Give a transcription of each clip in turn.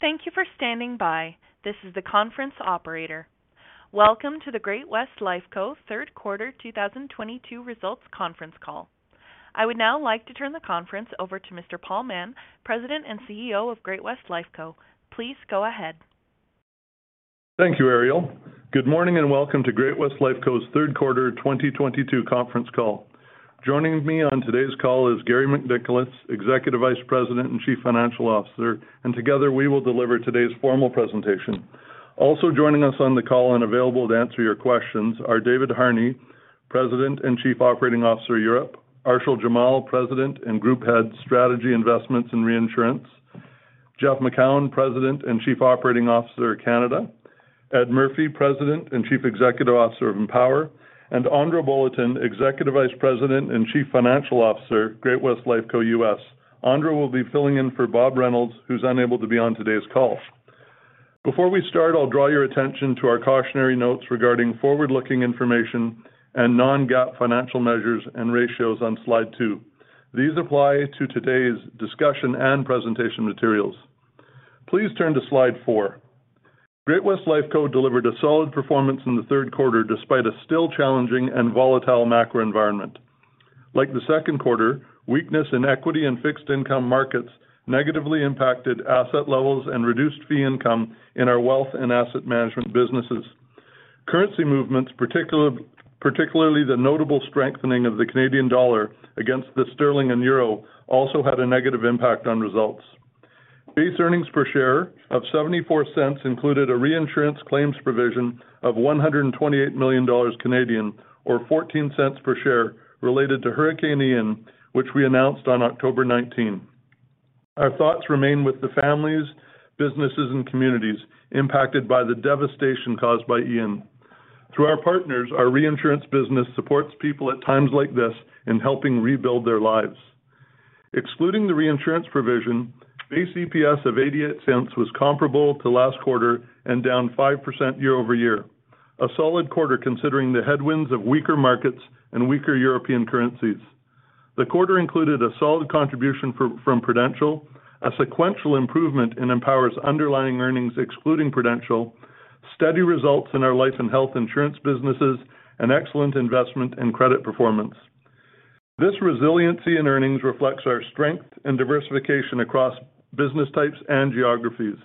Thank you for standing by. This is the conference operator. Welcome to the Great-West Lifeco third quarter 2022 results conference call. I would now like to turn the conference over to Mr. Paul Mahon, President and CEO of Great-West Lifeco. Please go ahead. Thank you, Ariel. Good morning and welcome to Great-West Lifeco's third quarter 2022 conference call. Joining me on today's call is Garry MacNicholas, Executive Vice President and Chief Financial Officer, and together we will deliver today's formal presentation. Also joining us on the call and available to answer your questions are David Harney, President and Chief Operating Officer, Europe, Arshil Jamal, President and Group Head, Strategy Investments and Reinsurance, Jeff Macoun, President and Chief Operating Officer, Canada, Ed Murphy, President and Chief Executive Officer of Empower, and Andra Bolotin, Executive Vice President and Chief Financial Officer, Great-West Lifeco U.S. Andra will be filling in for Bob Reynolds, who's unable to be on today's call. Before we start, I'll draw your attention to our cautionary notes regarding forward-looking information and non-GAAP financial measures and ratios on slide two. These apply to today's discussion and presentation materials. Please turn to slide four. Great-West Lifeco delivered a solid performance in the third quarter despite a still challenging and volatile macro environment. Like the second quarter, weakness in equity and fixed income markets negatively impacted asset levels and reduced fee income in our wealth and asset management businesses. Currency movements, particularly the notable strengthening of the Canadian dollar against the sterling and euro, also had a negative impact on results. Base earnings per share of 0.74 included a reinsurance claims provision of 128 million Canadian dollars or 0.14 per share related to Hurricane Ian, which we announced on October 19. Our thoughts remain with the families, businesses and communities impacted by the devastation caused by Ian. Through our partners, our reinsurance business supports people at times like this in helping rebuild their lives. Excluding the reinsurance provision, base EPS of 0.88 was comparable to last quarter and down 5% year-over-year, a solid quarter considering the headwinds of weaker markets and weaker European currencies. The quarter included a solid contribution from Prudential, a sequential improvement in Empower's underlying earnings excluding Prudential, steady results in our life and health insurance businesses, and excellent investment and credit performance. This resiliency in earnings reflects our strength and diversification across business types and geographies.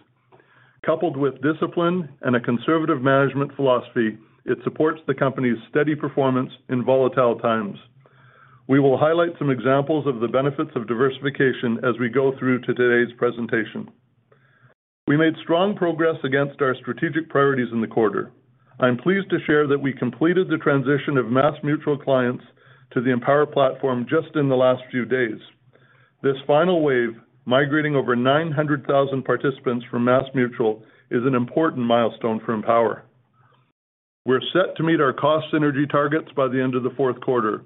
Coupled with discipline and a conservative management philosophy, it supports the company's steady performance in volatile times. We will highlight some examples of the benefits of diversification as we go through today's presentation. We made strong progress against our strategic priorities in the quarter. I'm pleased to share that we completed the transition of MassMutual clients to the Empower platform just in the last few days. This final wave, migrating over 900,000 participants from MassMutual, is an important milestone for Empower. We're set to meet our cost synergy targets by the end of the fourth quarter.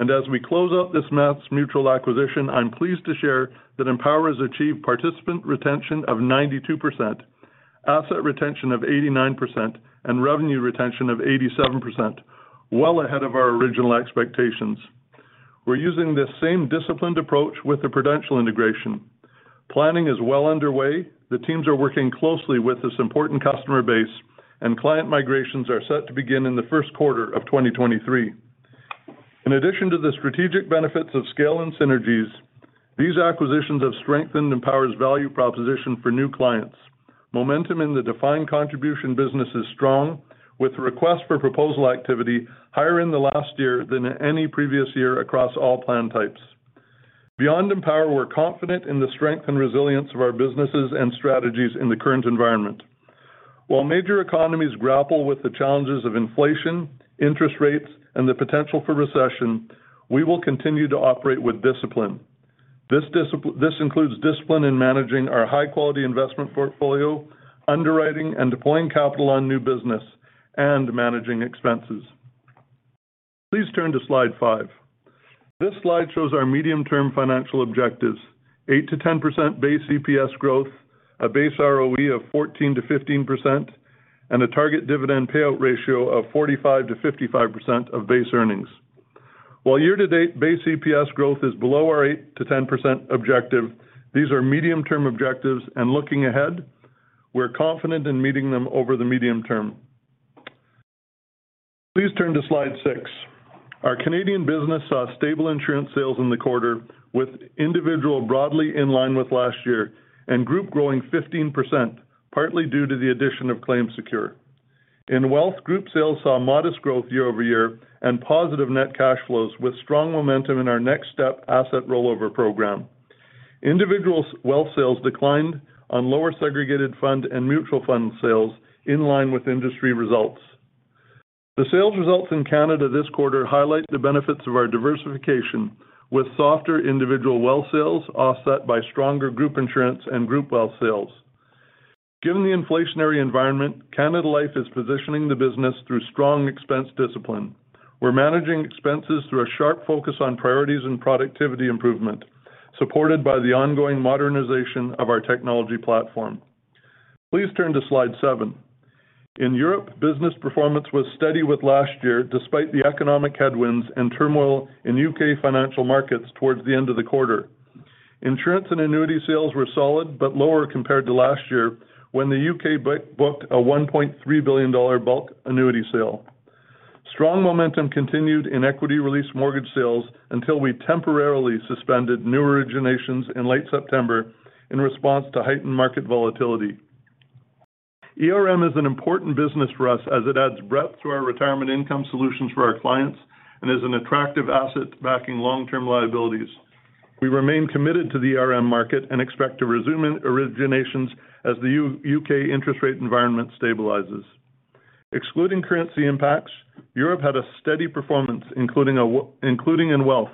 As we close out this MassMutual acquisition, I'm pleased to share that Empower has achieved participant retention of 92%, asset retention of 89%, and revenue retention of 87%, well ahead of our original expectations. We're using this same disciplined approach with the Prudential integration. Planning is well underway. The teams are working closely with this important customer base and client migrations are set to begin in the first quarter of 2023. In addition to the strategic benefits of scale and synergies, these acquisitions have strengthened Empower's value proposition for new clients. Momentum in the defined contribution business is strong, with request for proposal activity higher in the last year than any previous year across all plan types. Beyond Empower, we're confident in the strength and resilience of our businesses and strategies in the current environment. While major economies grapple with the challenges of inflation, interest rates, and the potential for recession, we will continue to operate with discipline. This includes discipline in managing our high quality investment portfolio, underwriting and deploying capital on new business, and managing expenses. Please turn to slide five. This slide shows our medium-term financial objectives, 8%-10% base EPS growth, a base ROE of 14%-15%, and a target dividend payout ratio of 45%-55% of base earnings. While year-to-date base EPS growth is below our 8%-10% objective, these are medium-term objectives, and looking ahead, we're confident in meeting them over the medium term. Please turn to slide six. Our Canadian business saw stable insurance sales in the quarter, with individual broadly in line with last year and group growing 15%, partly due to the addition of ClaimSecure. In wealth, group sales saw modest growth year-over-year and positive net cash flows with strong momentum in our NextStep asset rollover program. Individual wealth sales declined on lower segregated fund and mutual fund sales in line with industry results. The sales results in Canada this quarter highlight the benefits of our diversification with softer individual wealth sales offset by stronger group insurance and group wealth sales. Given the inflationary environment, Canada Life is positioning the business through strong expense discipline. We're managing expenses through a sharp focus on priorities and productivity improvement supported by the ongoing modernization of our technology platform. Please turn to slide seven. In Europe, business performance was steady with last year despite the economic headwinds and turmoil in U.K. financial markets towards the end of the quarter. Insurance and annuity sales were solid but lower compared to last year when the U.K. booked a $1.3 billion bulk annuity sale. Strong momentum continued in equity release mortgage sales until we temporarily suspended new originations in late September in response to heightened market volatility. ERM is an important business for us as it adds breadth to our retirement income solutions for our clients and is an attractive asset backing long-term liabilities. We remain committed to the ERM market and expect to resume originations as the U.K. interest rate environment stabilizes. Excluding currency impacts, Europe had a steady performance, including in wealth,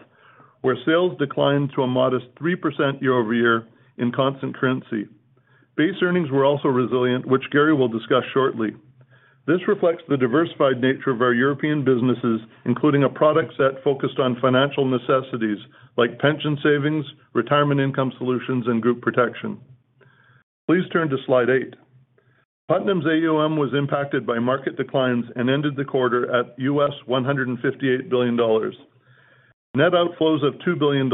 where sales declined to a modest 3% year-over-year in constant currency. Base earnings were also resilient, which Garry will discuss shortly. This reflects the diversified nature of our European businesses, including a product set focused on financial necessities like pension savings, retirement income solutions, and group protection. Please turn to slide eight. Putnam's AUM was impacted by market declines and ended the quarter at $158 billion. Net outflows of $2 billion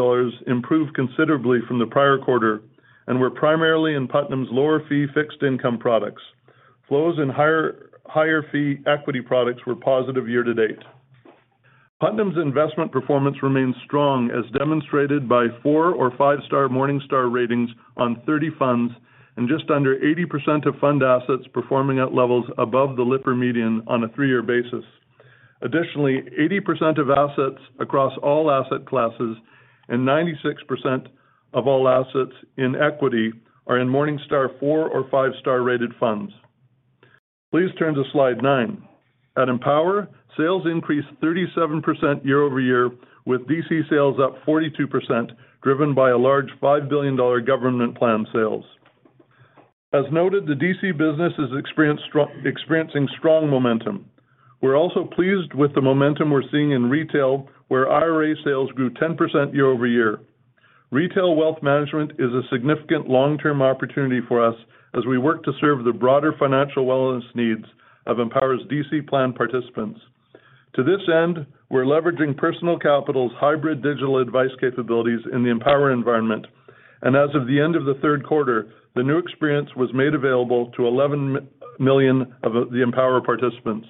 improved considerably from the prior quarter and were primarily in Putnam's lower fee fixed income products. Flows in higher fee equity products were positive year-to-date. Putnam's investment performance remains strong as demonstrated by four or five-star Morningstar ratings on 30 funds and just under 80% of fund assets performing at levels above the Lipper median on a 3-year basis. Additionally, 80% of assets across all asset classes and 96% of all assets in equity are in Morningstar four or five-star rated funds. Please turn to slide nine. At Empower, sales increased 37% year-over-year, with DC sales up 42%, driven by a large $5 billion government plan sales. As noted, the DC business is experiencing strong momentum. We're also pleased with the momentum we're seeing in retail, where IRA sales grew 10% year-over-year. Retail wealth management is a significant long-term opportunity for us as we work to serve the broader financial wellness needs of Empower's DC plan participants. To this end, we're leveraging Personal Capital's hybrid digital advice capabilities in the Empower environment. As of the end of the third quarter, the new experience was made available to 11 million of the Empower participants.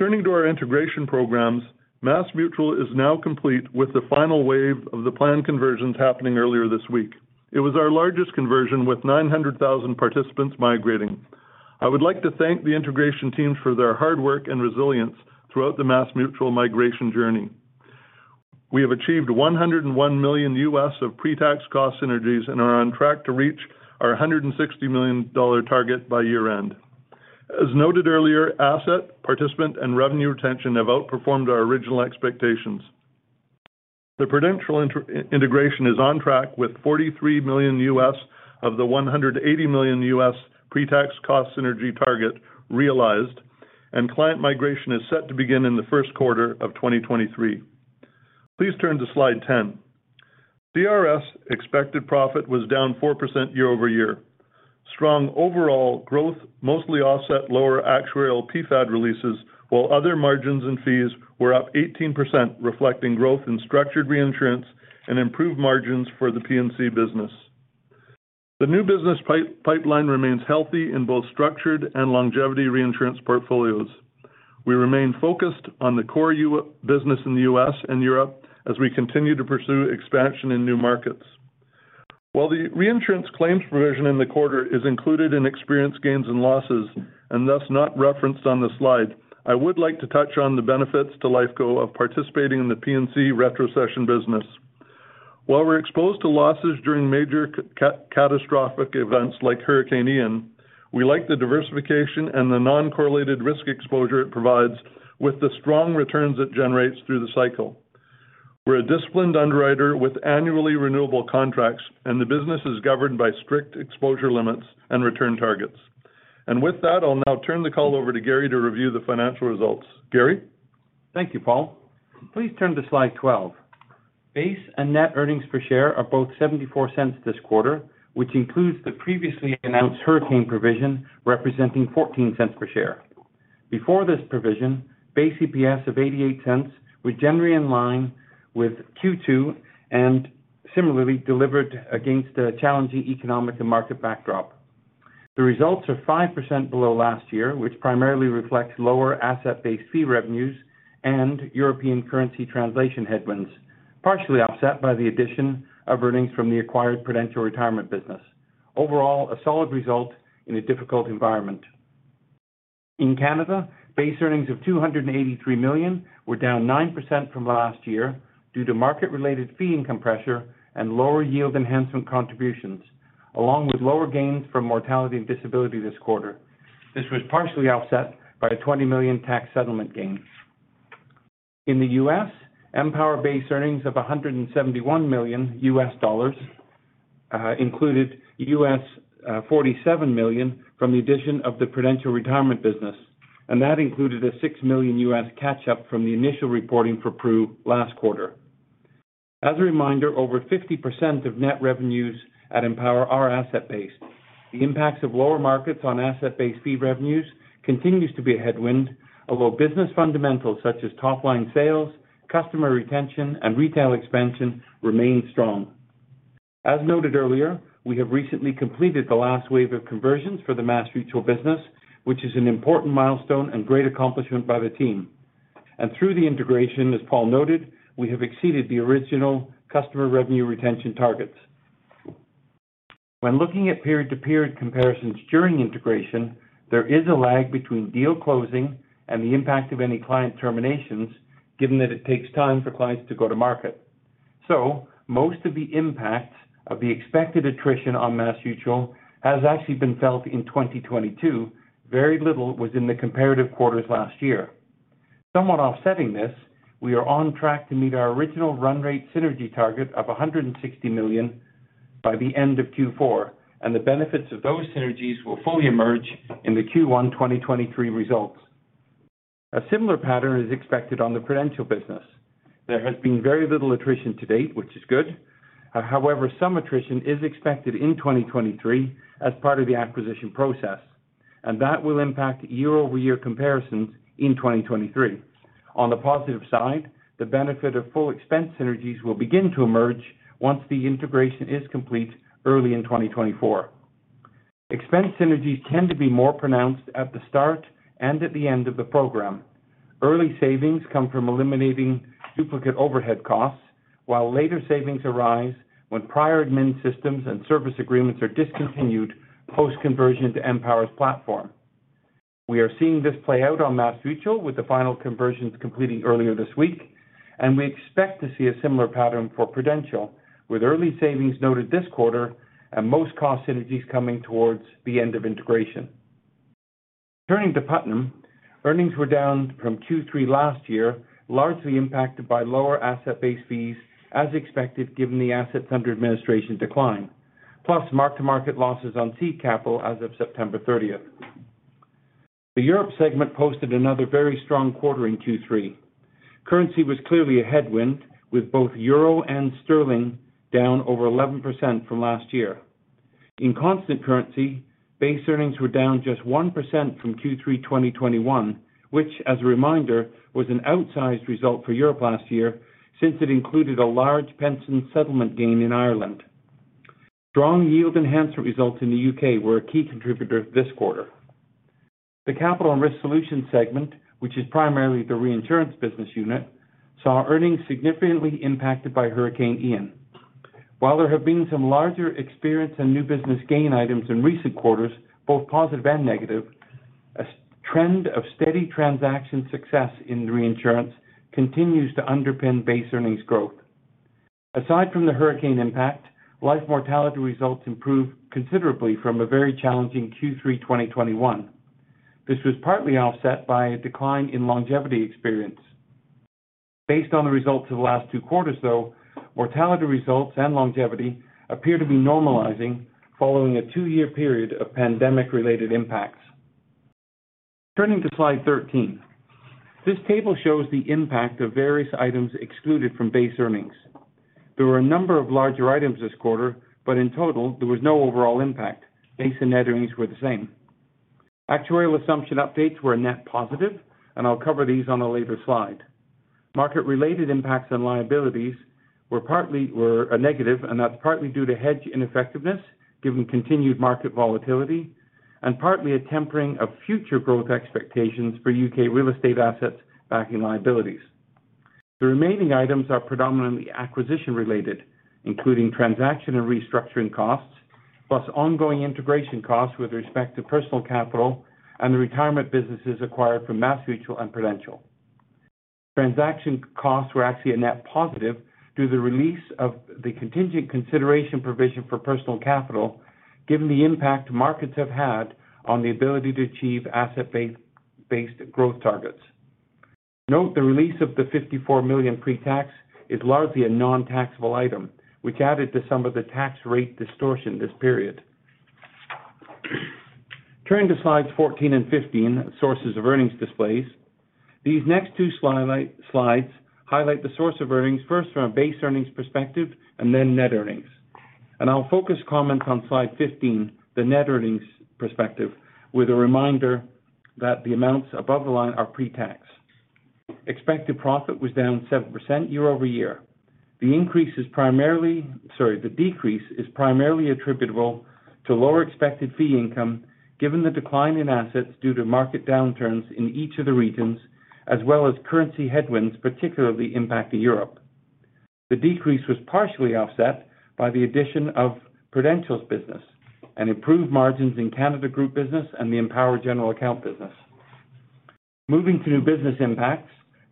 Turning to our integration programs, MassMutual is now complete with the final wave of the plan conversions happening earlier this week. It was our largest conversion with 900,000 participants migrating. I would like to thank the integration team for their hard work and resilience throughout the MassMutual migration journey. We have achieved $101 million of pre-tax cost synergies and are on track to reach our $160 million target by year-end. As noted earlier, asset, participant, and revenue retention have outperformed our original expectations. The Prudential integration is on track with $43 million of the $180 million pre-tax cost synergy target realized, and client migration is set to begin in the first quarter of 2023. Please turn to slide 10. CRS expected profit was down 4% year-over-year. Strong overall growth mostly offset lower actuarial PFAD releases, while other margins and fees were up 18%, reflecting growth in structured reinsurance and improved margins for the P&C business. The new business pipeline remains healthy in both structured and longevity reinsurance portfolios. We remain focused on the core U.S. business in the U.S. and Europe as we continue to pursue expansion in new markets. While the reinsurance claims provision in the quarter is included in experience gains and losses, and thus not referenced on the slide, I would like to touch on the benefits to Lifeco of participating in the P&C retrocession business. While we're exposed to losses during major catastrophic events like Hurricane Ian, we like the diversification and the non-correlated risk exposure it provides with the strong returns it generates through the cycle. We're a disciplined underwriter with annually renewable contracts, and the business is governed by strict exposure limits and return targets. With that, I'll now turn the call over to Garry to review the financial results. Garry? Thank you, Paul. Please turn to slide 12. Base and net earnings per share are both 0.74 this quarter, which includes the previously announced hurricane provision representing 0.14 per share. Before this provision, base EPS of 0.88 was generally in line with Q2 and similarly delivered against a challenging economic and market backdrop. The results are 5% below last year, which primarily reflects lower asset-based fee revenues and European currency translation headwinds, partially offset by the addition of earnings from the acquired Prudential retirement business. Overall, a solid result in a difficult environment. In Canada, base earnings of 283 million were down 9% from last year due to market-related fee income pressure and lower yield enhancement contributions, along with lower gains from mortality and disability this quarter. This was partially offset by a 20 million tax settlement gain. In the U.S., Empower base earnings of $171 million included $47 million from the addition of the Prudential retirement business, and that included a $6 million catch up from the initial reporting for Pru last quarter. As a reminder, over 50% of net revenues at Empower are asset-based. The impacts of lower markets on asset-based fee revenues continues to be a headwind, although business fundamentals such as top-line sales, customer retention, and retail expansion remain strong. As noted earlier, we have recently completed the last wave of conversions for the MassMutual business, which is an important milestone and great accomplishment by the team. Through the integration, as Paul noted, we have exceeded the original customer revenue retention targets. When looking at period-to-period comparisons during integration, there is a lag between deal closing and the impact of any client terminations, given that it takes time for clients to go to market. Most of the impacts of the expected attrition on MassMutual has actually been felt in 2022. Very little was in the comparative quarters last year. Somewhat offsetting this, we are on track to meet our original run rate synergy target of 160 million by the end of Q4, and the benefits of those synergies will fully emerge in the Q1 2023 results. A similar pattern is expected on the Prudential business. There has been very little attrition to date, which is good. However, some attrition is expected in 2023 as part of the acquisition process, and that will impact year-over-year comparisons in 2023. On the positive side, the benefit of full expense synergies will begin to emerge once the integration is complete early in 2024. Expense synergies tend to be more pronounced at the start and at the end of the program. Early savings come from eliminating duplicate overhead costs, while later savings arise when prior admin systems and service agreements are discontinued post-conversion to Empower's platform. We are seeing this play out on MassMutual with the final conversions completing earlier this week, and we expect to see a similar pattern for Prudential with early savings noted this quarter and most cost synergies coming towards the end of integration. Turning to Putnam, earnings were down from Q3 last year, largely impacted by lower asset-based fees as expected, given the assets under administration decline, plus mark-to-market losses on seed capital as of September 30. The Europe segment posted another very strong quarter in Q3. Currency was clearly a headwind, with both euro and sterling down over 11% from last year. In constant currency, base earnings were down just 1% from Q3 2021, which as a reminder, was an outsized result for Europe last year since it included a large pension settlement gain in Ireland. Strong yield enhancer results in the U.K. were a key contributor this quarter. The Capital and Risk Solutions segment, which is primarily the reinsurance business unit, saw earnings significantly impacted by Hurricane Ian. While there have been some larger experience and new business gain items in recent quarters, both positive and negative, a steady trend of steady transaction success in reinsurance continues to underpin base earnings growth. Aside from the hurricane impact, life mortality results improved considerably from a very challenging Q3 2021. This was partly offset by a decline in longevity experience. Based on the results of the last two quarters, though, mortality results and longevity appear to be normalizing following a two-year period of pandemic related impacts. Turning to slide 13. This table shows the impact of various items excluded from base earnings. There were a number of larger items this quarter, but in total, there was no overall impact. Base and net earnings were the same. Actuarial assumption updates were a net positive, and I'll cover these on a later slide. Market related impacts and liabilities were a negative, and that's partly due to hedge ineffectiveness given continued market volatility, and partly a tempering of future growth expectations for U.K. real estate assets backing liabilities. The remaining items are predominantly acquisition related, including transaction and restructuring costs, plus ongoing integration costs with respect to Personal Capital and the retirement businesses acquired from MassMutual and Prudential. Transaction costs were actually a net positive due to the release of the contingent consideration provision for Personal Capital, given the impact markets have had on the ability to achieve asset-based growth targets. Note the release of the 54 million pre-tax is largely a non-taxable item which added to some of the tax rate distortion this period. Turning to slides 14 and 15, sources of earnings displays. These next two slides highlight the source of earnings first from a base earnings perspective and then net earnings. I'll focus comments on slide 15, the net earnings perspective, with a reminder that the amounts above the line are pre-tax. Expected profit was down 7% year-over-year. The decrease is primarily attributable to lower expected fee income given the decline in assets due to market downturns in each of the regions as well as currency headwinds, particularly impacting Europe. The decrease was partially offset by the addition of Prudential's business and improved margins in Canada Group business and the Empower general account business. Moving to new business impacts.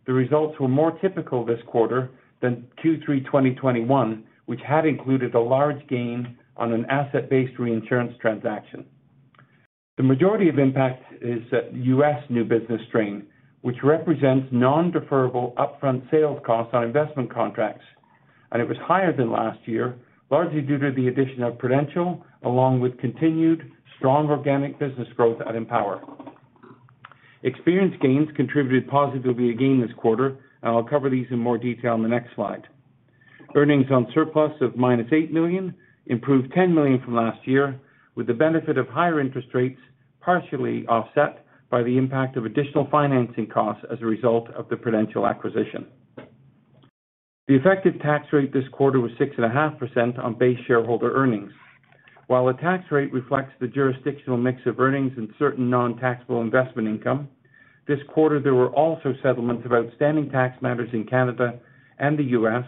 The results were more typical this quarter than Q3 2021, which had included a large gain on an asset-based reinsurance transaction. The majority of impact is the U.S. new business strain, which represents non-deferrable upfront sales costs on investment contracts. It was higher than last year, largely due to the addition of Prudential along with continued strong organic business growth at Empower. Experience gains contributed positively again this quarter, and I'll cover these in more detail in the next slide. Earnings on surplus of -8 million improved 10 million from last year, with the benefit of higher interest rates partially offset by the impact of additional financing costs as a result of the Prudential acquisition. The effective tax rate this quarter was 6.5% on base shareholder earnings. While the tax rate reflects the jurisdictional mix of earnings and certain non-taxable investment income, this quarter there were also settlements of outstanding tax matters in Canada and the U.S.,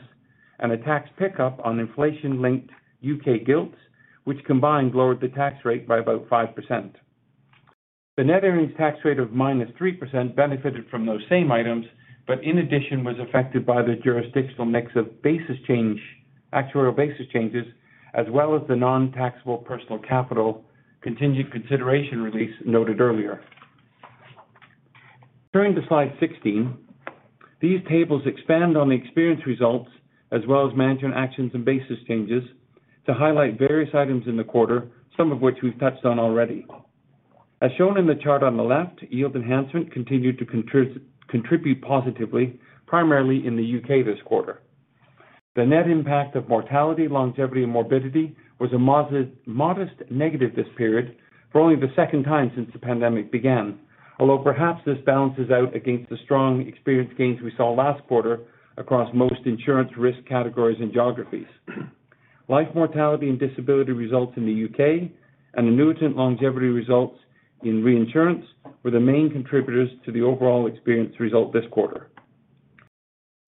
and a tax pickup on inflation-linked U.K. gilts, which combined lowered the tax rate by about 5%. The net earnings tax rate of -3% benefited from those same items, but in addition was affected by the jurisdictional mix of basis change, actuarial basis changes, as well as the non-taxable Personal Capital contingent consideration release noted earlier. Turning to slide 16, these tables expand on the experience results as well as management actions and basis changes to highlight various items in the quarter, some of which we've touched on already. As shown in the chart on the left, yield enhancement continued to contribute positively, primarily in the U.K. this quarter. The net impact of mortality, longevity, and morbidity was a modest negative this period for only the second time since the pandemic began, although perhaps this balances out against the strong experience gains we saw last quarter across most insurance risk categories and geographies. Life mortality and disability results in the U.K. and annuitant longevity results in reinsurance were the main contributors to the overall experience result this quarter.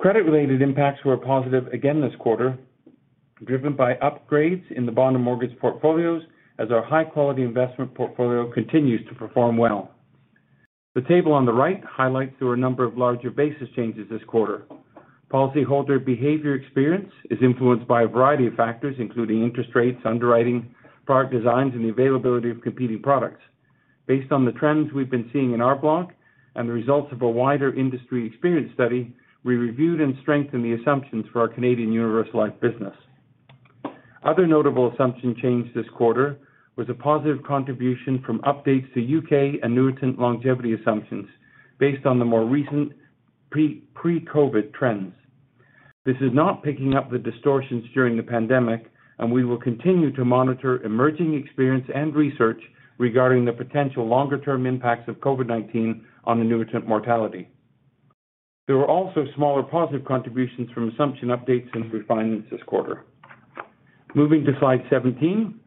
Credit-related impacts were positive again this quarter, driven by upgrades in the bond and mortgage portfolios as our high-quality investment portfolio continues to perform well. The table on the right highlights there were a number of larger basis changes this quarter. Policyholder behavior experience is influenced by a variety of factors, including interest rates, underwriting, product designs, and the availability of competing products. Based on the trends we've been seeing in our block and the results of a wider industry experience study, we reviewed and strengthened the assumptions for our Canadian universal life business. Other notable assumption change this quarter was a positive contribution from updates to U.K. annuitant longevity assumptions based on the more recent pre-pre-COVID trends. This is not picking up the distortions during the pandemic, and we will continue to monitor emerging experience and research regarding the potential longer term impacts of COVID-19 on annuitant mortality. There were also smaller positive contributions from assumption updates and refinements this quarter. Moving to slide 17.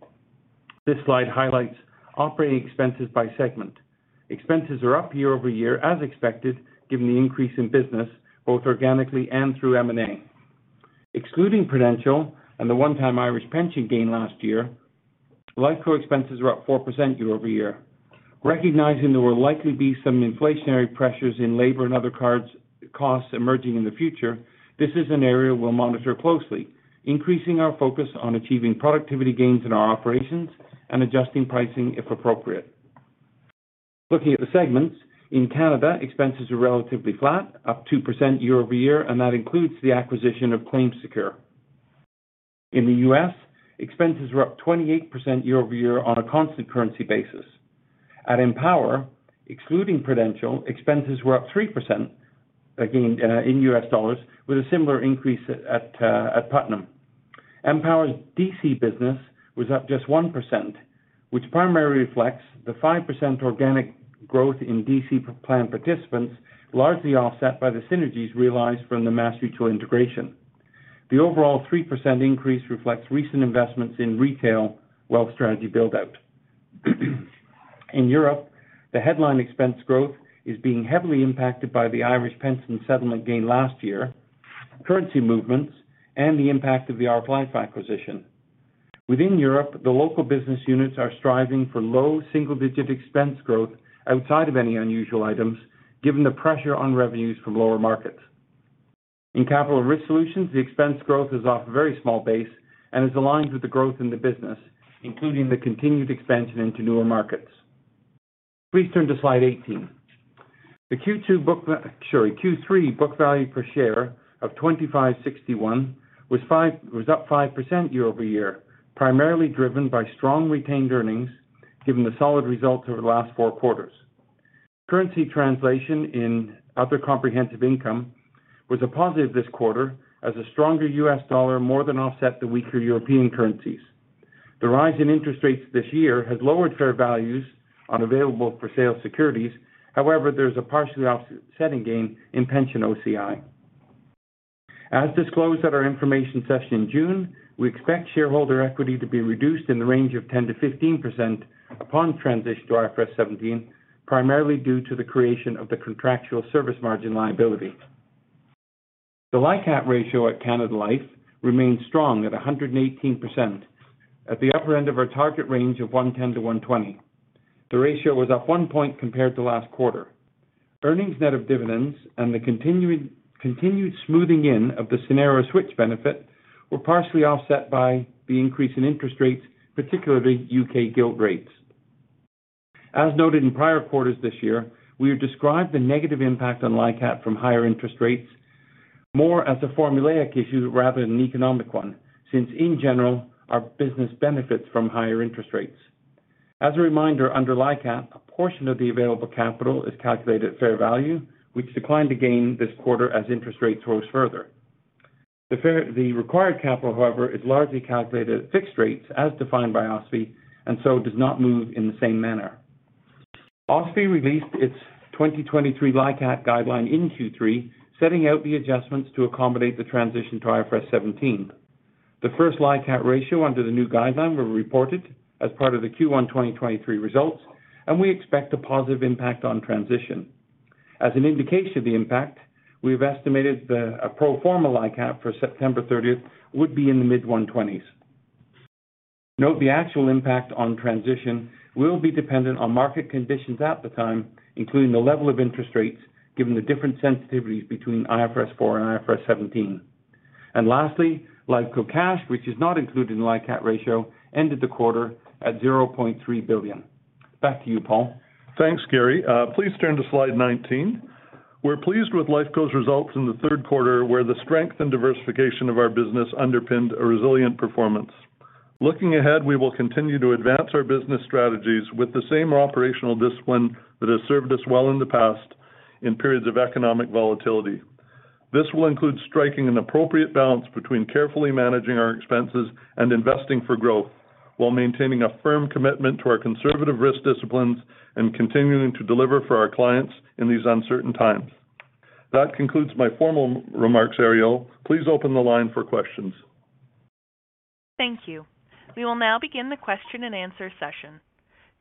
This slide highlights operating expenses by segment. Expenses are up year-over-year as expected, given the increase in business both organically and through M&A. Excluding Prudential and the one-time Irish pension gain last year, Lifeco expenses were up 4% year-over-year. Recognizing there will likely be some inflationary pressures in labor and other costs emerging in the future, this is an area we'll monitor closely, increasing our focus on achieving productivity gains in our operations and adjusting pricing if appropriate. Looking at the segments, in Canada, expenses are relatively flat, up 2% year-over-year, and that includes the acquisition of ClaimSecure. In the U.S., expenses were up 28% year-over-year on a constant currency basis. At Empower, excluding Prudential, expenses were up 3%, again, in U.S. dollars, with a similar increase at Putnam. Empower's DC business was up just 1%, which primarily reflects the 5% organic growth in DC plan participants, largely offset by the synergies realized from the MassMutual integration. The overall 3% increase reflects recent investments in retail wealth strategy build out. In Europe, the headline expense growth is being heavily impacted by the Irish pension settlement gain last year, currency movements, and the impact of the RL Life acquisition. Within Europe, the local business units are striving for low single-digit expense growth outside of any unusual items given the pressure on revenues from lower markets. In Capital and Risk Solutions, the expense growth is off a very small base and is aligned with the growth in the business, including the continued expansion into newer markets. Please turn to slide 18. The Q3 book value per share of 25.61 was up 5% year-over-year, primarily driven by strong retained earnings given the solid results over the last four quarters. Currency translation in other comprehensive income was a positive this quarter as a stronger U.S. dollar more than offset the weaker European currencies. The rise in interest rates this year has lowered fair values on available for sale securities. However, there is a partially offsetting gain in pension OCI. As disclosed at our information session in June, we expect shareholder equity to be reduced in the range of 10%-15% upon transition to IFRS 17, primarily due to the creation of the contractual service margin liability. The LICAT ratio at Canada Life remains strong at 118% at the upper end of our target range of 110%-120%. The ratio was up one point compared to last quarter. Earnings net of dividends and the continued smoothing in of the scenario switch benefit were partially offset by the increase in interest rates, particularly U.K. gilt rates. As noted in prior quarters this year, we have described the negative impact on LICAT from higher interest rates, more as a formulaic issue rather than an economic one, since in general, our business benefits from higher interest rates. As a reminder, under LICAT, a portion of the available capital is calculated at fair value, which declined again this quarter as interest rates rose further. The required capital, however, is largely calculated at fixed rates as defined by OSFI, and so does not move in the same manner. OSFI released its 2023 LICAT guideline in Q3, setting out the adjustments to accommodate the transition to IFRS 17. The first LICAT ratio under the new guideline were reported as part of the Q1 2023 results, and we expect a positive impact on transition. As an indication of the impact, we have estimated a pro forma LICAT for September 30 would be in the mid-120s. Note the actual impact on transition will be dependent on market conditions at the time, including the level of interest rates given the different sensitivities between IFRS 4 and IFRS 17. Lastly, Lifeco cash, which is not included in LICAT ratio, ended the quarter at 0.3 billion. Back to you, Paul. Thanks, Garry. Please turn to slide 19. We're pleased with Lifeco's results in the third quarter, where the strength and diversification of our business underpinned a resilient performance. Looking ahead, we will continue to advance our business strategies with the same operational discipline that has served us well in the past in periods of economic volatility. This will include striking an appropriate balance between carefully managing our expenses and investing for growth while maintaining a firm commitment to our conservative risk disciplines and continuing to deliver for our clients in these uncertain times. That concludes my formal remarks, Ariel. Please open the line for questions. Thank you. We will now begin the question-and-answer session.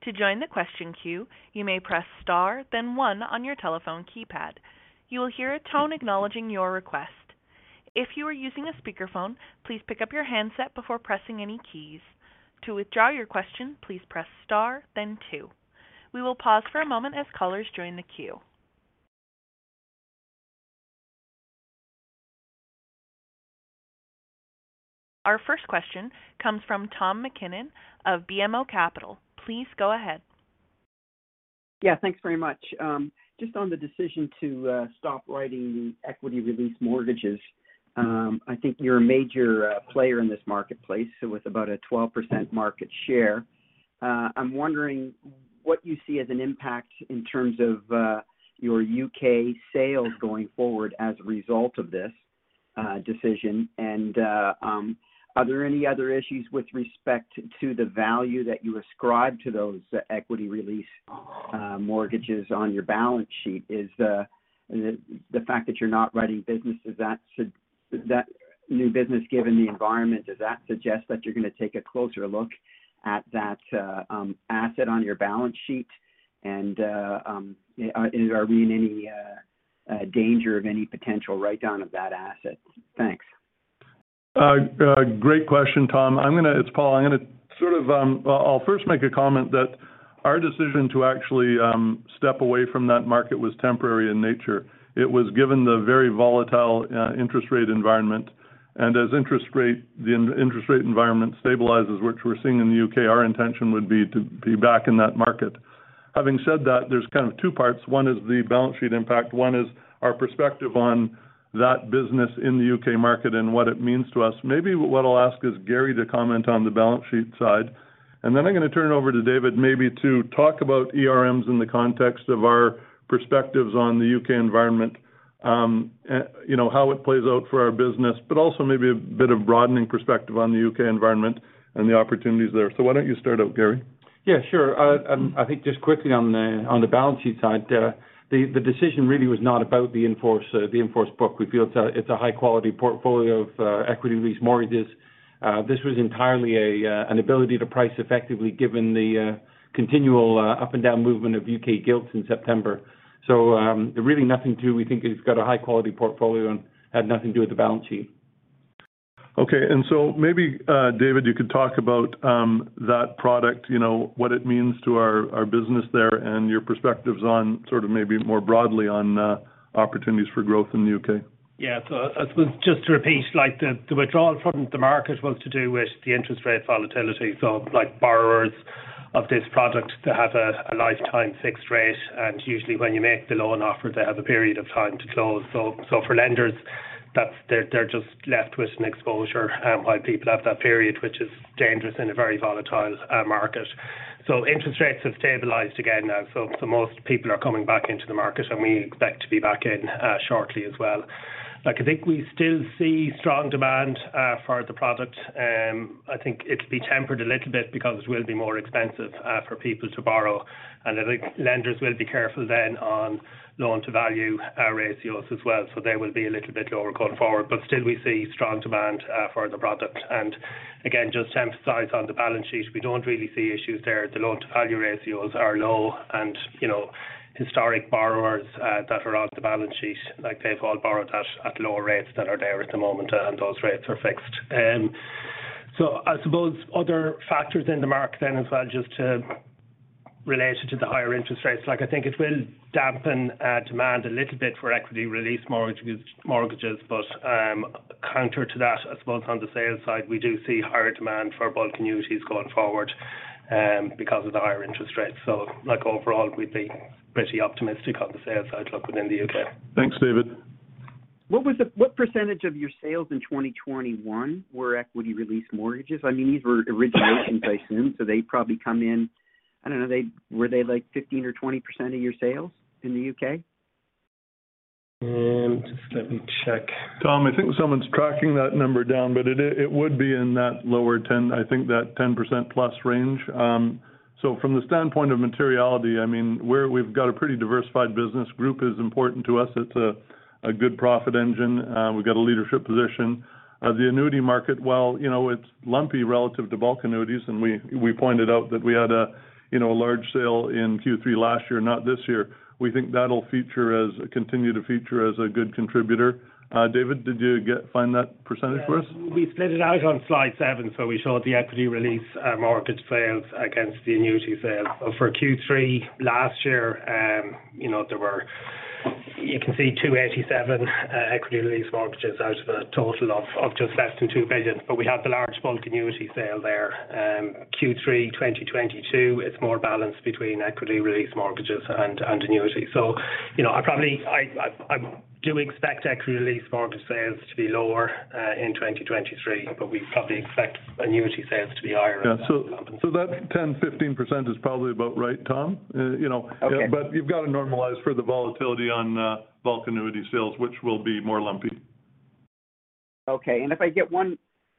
To join the question queue, you may press star then one on your telephone keypad. You will hear a tone acknowledging your request. If you are using a speakerphone, please pick up your handset before pressing any keys. To withdraw your question, please press star then two. We will pause for a moment as callers join the queue. Our first question comes from Tom MacKinnon of BMO Capital Markets. Please go ahead. Yeah, thanks very much. Just on the decision to stop writing the equity release mortgages, I think you're a major player in this marketplace with about a 12% market share. I'm wondering what you see as an impact in terms of your U.K. sales going forward as a result of this decision. Are there any other issues with respect to the value that you ascribe to those equity release mortgages on your balance sheet? Is the fact that you're not writing business, does that new business given the environment, does that suggest that you're gonna take a closer look at that asset on your balance sheet? Are we in any danger of any potential write-down of that asset? Thanks. Great question, Tom. It's Paul. I'm gonna sort of, I'll first make a comment that our decision to actually step away from that market was temporary in nature. It was given the very volatile interest rate environment. As the interest rate environment stabilizes, which we're seeing in the U.K., our intention would be to be back in that market. Having said that, there's kind of two parts. One is the balance sheet impact. One is our perspective on that business in the U.K. market and what it means to us. Maybe what I'll ask is Garry to comment on the balance sheet side. I'm gonna turn it over to David, maybe to talk about ERMs in the context of our perspectives on the U.K. environment, you know, how it plays out for our business, but also maybe a bit of broadening perspective on the U.K. environment and the opportunities there. Why don't you start out, Garry? Yeah, sure. I think just quickly on the balance sheet side, the decision really was not about the in-force book. We feel it's a high quality portfolio of equity release mortgages. This was entirely an ability to price effectively given the continual up and down movement of U.K. gilts in September. Really, we think it's got a high quality portfolio and had nothing to do with the balance sheet. Okay. Maybe David, you could talk about that product, you know, what it means to our business there and your perspectives on sort of maybe more broadly on opportunities for growth in the U.K. Yeah. I suppose just to repeat, like, the withdrawal from the market was to do with the interest rate volatility. Like borrowers of this product to have a lifetime fixed rate, and usually when you make the loan offer, they have a period of time to close. For lenders, that's they're just left with an exposure while people have that period, which is dangerous in a very volatile market. Interest rates have stabilized again now, most people are coming back into the market and we expect to be back in shortly as well. Like, I think we still see strong demand for the product. I think it'll be tempered a little bit because it will be more expensive for people to borrow. I think lenders will be careful then on loan-to-value ratios as well. They will be a little bit lower going forward, but still we see strong demand for the product. Again, just to emphasize on the balance sheet, we don't really see issues there. The loan-to-value ratios are low and, you know, historic borrowers that are on the balance sheet, like they've all borrowed at lower rates than are there at the moment, and those rates are fixed. I suppose other factors in the market then as well, just to relate it to the higher interest rates, like I think it will dampen demand a little bit for equity release mortgages, but counter to that, I suppose on the sales side, we do see higher demand for both communities going forward. Because of the higher interest rates. Like overall, we'd be pretty optimistic on the sales outlook within the U.K. Thanks, David. What percentage of your sales in 2021 were equity release mortgages? I mean, these were originations, I assume, so they probably come in, I don't know, were they like 15% or 20% of your sales in the U.K.? Just let me check. Tom, I think someone's tracking that number down, but it would be in that lower 10, I think that 10%+ range. So from the standpoint of materiality, I mean, we've got a pretty diversified business group is important to us. It's a good profit engine. We've got a leadership position. The annuity market, while you know, it's lumpy relative to bulk annuities, and we pointed out that we had a you know, a large sale in Q3 last year, not this year. We think that'll continue to feature as a good contributor. David, did you find that percentage for us? Yeah. We split it out on slide seven, so we saw the equity release mortgage sales against the annuity sale. For Q3 last year, you know, there were, you can see 287 million equity release mortgages out of a total of just less than 2 billion. We had the large bulk annuity sale there. Q3 2022, it's more balanced between equity release mortgages and annuity. You know, I do expect equity release mortgage sales to be lower in 2023, but we probably expect annuity sales to be higher as compensation. That 10-15% is probably about right, Tom. You know- Okay. You've got to normalize for the volatility on bulk annuity sales, which will be more lumpy. Okay. If I get one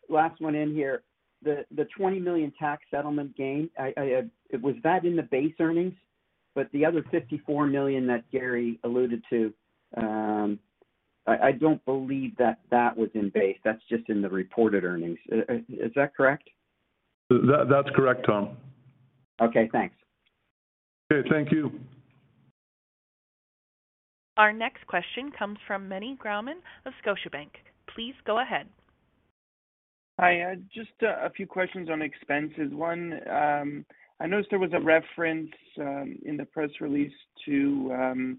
last one in here, the 20 million tax settlement gain, was that in the base earnings? The other 54 million that Garry alluded to, I don't believe that was in base. That's just in the reported earnings. Is that correct? That's correct, Tom. Okay, thanks. Okay, thank you. Our next question comes from Meny Grauman of Scotiabank. Please go ahead. Hi. Just a few questions on expenses. One, I noticed there was a reference in the press release to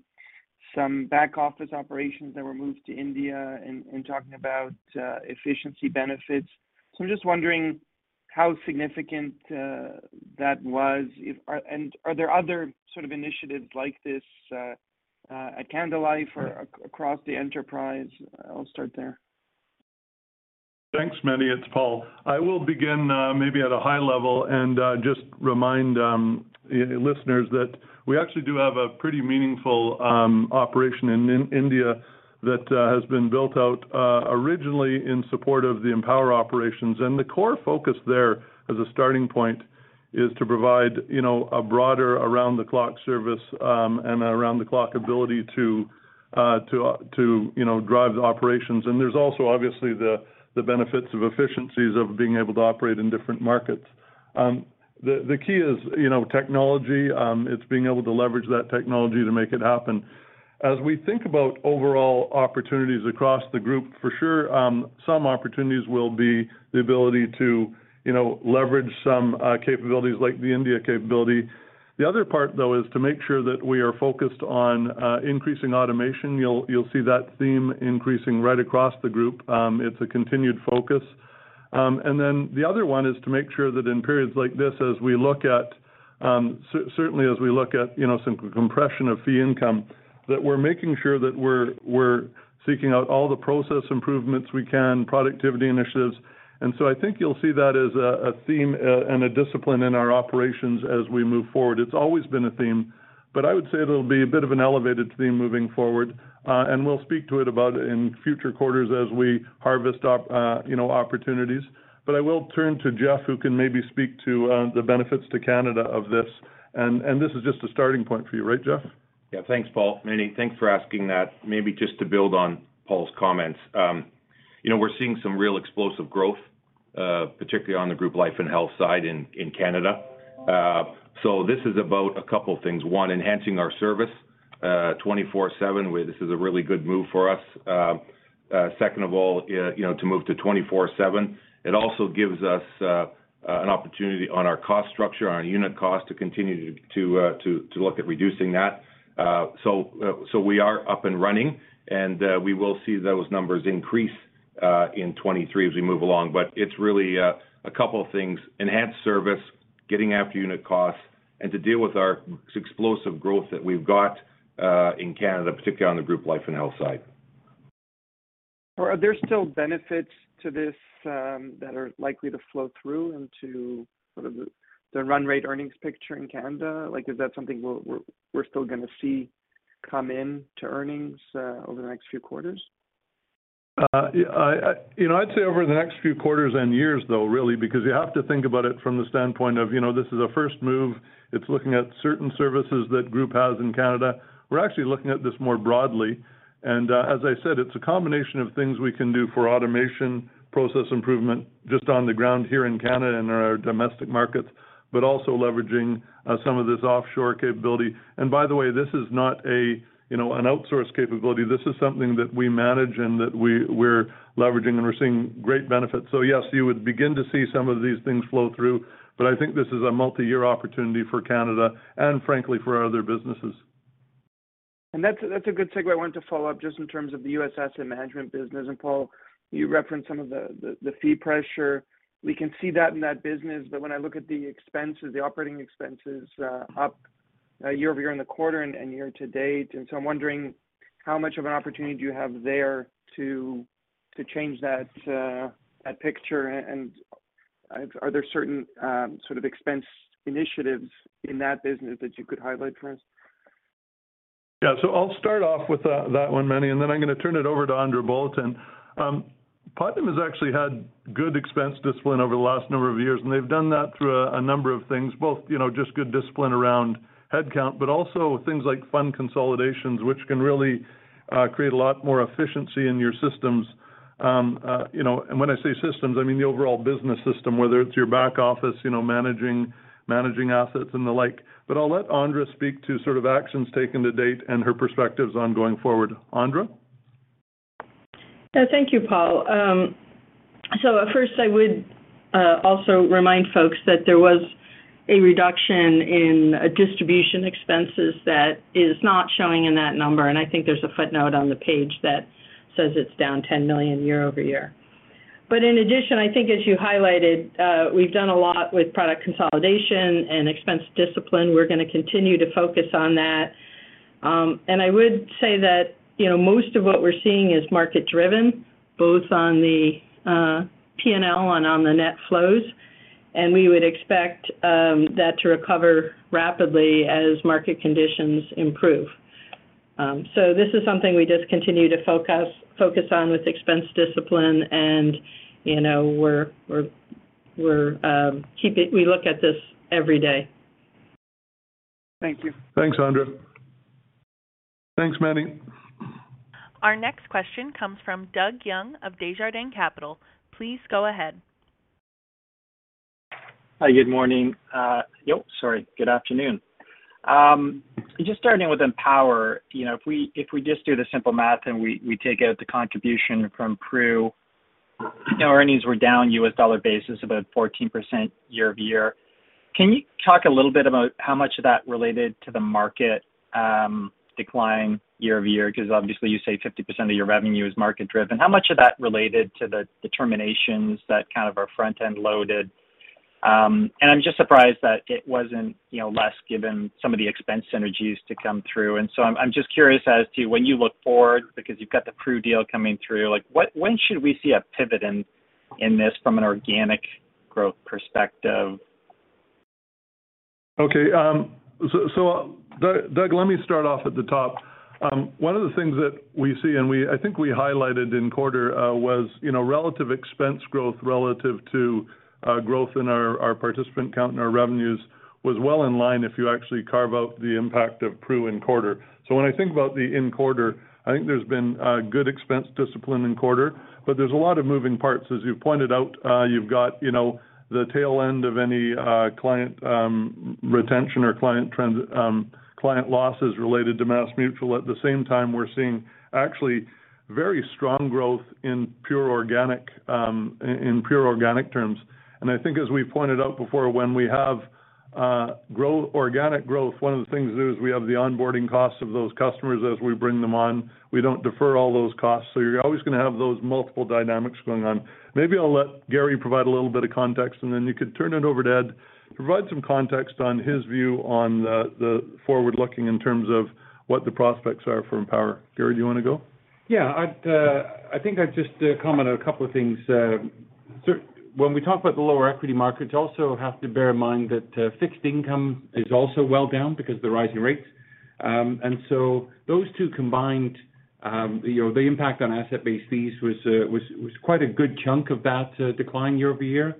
some back office operations that were moved to India and talking about efficiency benefits. I'm just wondering how significant that was. Are there other sort of initiatives like this at Canada Life or across the enterprise? I'll start there. Thanks, Manny. It's Paul. I will begin maybe at a high level and just remind listeners that we actually do have a pretty meaningful operation in India that has been built out originally in support of the Empower operations. The core focus there as a starting point is to provide, you know, a broader around-the-clock service and around-the-clock ability to you know drive the operations. There's also obviously the benefits of efficiencies of being able to operate in different markets. The key is, you know, technology. It's being able to leverage that technology to make it happen. As we think about overall opportunities across the group, for sure some opportunities will be the ability to, you know, leverage some capabilities like the India capability. The other part, though, is to make sure that we are focused on increasing automation. You'll see that theme increasing right across the group. It's a continued focus. The other one is to make sure that in periods like this, as we look at certainly as we look at, you know, some compression of fee income, that we're making sure that we're seeking out all the process improvements we can, productivity initiatives. I think you'll see that as a theme and a discipline in our operations as we move forward. It's always been a theme, but I would say it'll be a bit of an elevated theme moving forward, and we'll speak to it about in future quarters as we harvest opportunities. I will turn to Jeff, who can maybe speak to the benefits to Canada of this. This is just a starting point for you, right, Jeff? Yeah. Thanks, Paul. Meny, thanks for asking that. Maybe just to build on Paul's comments. We're seeing some real explosive growth, particularly on the Group Life and Health side in Canada. This is about a couple of things. One, enhancing our service 24/7, where this is a really good move for us. Second of all, to move to 24/7, it also gives us an opportunity on our cost structure, on our unit cost to continue to look at reducing that. So we are up and running, and we will see those numbers increase in 2023 as we move along. It's really a couple of things, enhanced service, getting after unit costs, and to deal with our explosive growth that we've got in Canada, particularly on the Group Life and Health side. Are there still benefits to this that are likely to flow through into sort of the run rate earnings picture in Canada? Like, is that something we're still gonna see come in to earnings over the next few quarters? Yeah, you know, I'd say over the next few quarters and years, though, really, because you have to think about it from the standpoint of, you know, this is a first move. It's looking at certain services that group has in Canada. We're actually looking at this more broadly. As I said, it's a combination of things we can do for automation, process improvement just on the ground here in Canada and our domestic markets, but also leveraging some of this offshore capability. By the way, this is not, you know, an outsource capability. This is something that we manage and that we're leveraging, and we're seeing great benefits. Yes, you would begin to see some of these things flow through, but I think this is a multi-year opportunity for Canada and frankly, for our other businesses. That's a good segue I wanted to follow up just in terms of the U.S. asset management business. Paul, you referenced some of the fee pressure. We can see that in that business, but when I look at the expenses, the operating expenses up year-over-year in the quarter and year to date. I'm wondering how much of an opportunity do you have there to change that picture? Are there certain sort of expense initiatives in that business that you could highlight for us? Yeah. I'll start off with that one, Meny, and then I'm gonna turn it over to Andra Bolotin. Putnam has actually had good expense discipline over the last number of years, and they've done that through a number of things, both you know just good discipline around headcount, but also things like fund consolidations, which can really create a lot more efficiency in your systems. You know, when I say systems, I mean the overall business system, whether it's your back office, you know, managing assets and the like. I'll let Andra speak to sort of actions taken to date and her perspectives on going forward. Andra? Yeah. Thank you, Paul. First I would also remind folks that there was a reduction in distribution expenses that is not showing in that number, and I think there's a footnote on the page that says it's down 10 million year-over-year. In addition, I think as you highlighted, we've done a lot with product consolidation and expense discipline. We're gonna continue to focus on that. I would say that, you know, most of what we're seeing is market driven, both on the P&L and on the net flows. We would expect that to recover rapidly as market conditions improve. This is something we just continue to focus on with expense discipline, and, you know, we're keeping. We look at this every day. Thank you. Thanks, Andra. Thanks, Meny. Our next question comes from Doug Young of Desjardins Capital Markets. Please go ahead. Hi. Good morning. Good afternoon. Just starting with Empower. You know, if we just do the simple math and we take out the contribution from Pru, you know, earnings were down U.S. dollar basis about 14% year-over-year. Can you talk a little bit about how much of that related to the market decline year-over-year? Because obviously, you say 50% of your revenue is market driven. How much of that related to the deteriorations that kind of are front-loaded? I'm just surprised that it wasn't, you know, less given some of the expense synergies to come through. I'm just curious as to when you look forward, because you've got the Pru deal coming through, when should we see a pivot in this from an organic growth perspective? Doug, let me start off at the top. One of the things that we see, I think we highlighted in quarter, was, you know, relative expense growth relative to growth in our participant count and our revenues was well in line if you actually carve out the impact of Pru in quarter. When I think about the quarter, I think there's been good expense discipline in quarter, but there's a lot of moving parts. As you pointed out, you've got, you know, the tail end of any client retention or client losses related to MassMutual. At the same time, we're seeing actually very strong growth in pure organic terms. I think as we pointed out before, when we have organic growth, one of the things is we have the onboarding costs of those customers as we bring them on. We don't defer all those costs. So you're always gonna have those multiple dynamics going on. Maybe I'll let Garry provide a little bit of context, and then you could turn it over to Ed to provide some context on his view on the forward-looking in terms of what the prospects are for Empower. Garry, do you wanna go? Yeah. I think I'd just comment on a couple of things. When we talk about the lower equity markets, you also have to bear in mind that fixed income is also well down because of the rising rates. Those two combined, you know, the impact on asset-based fees was quite a good chunk of that decline year-over-year.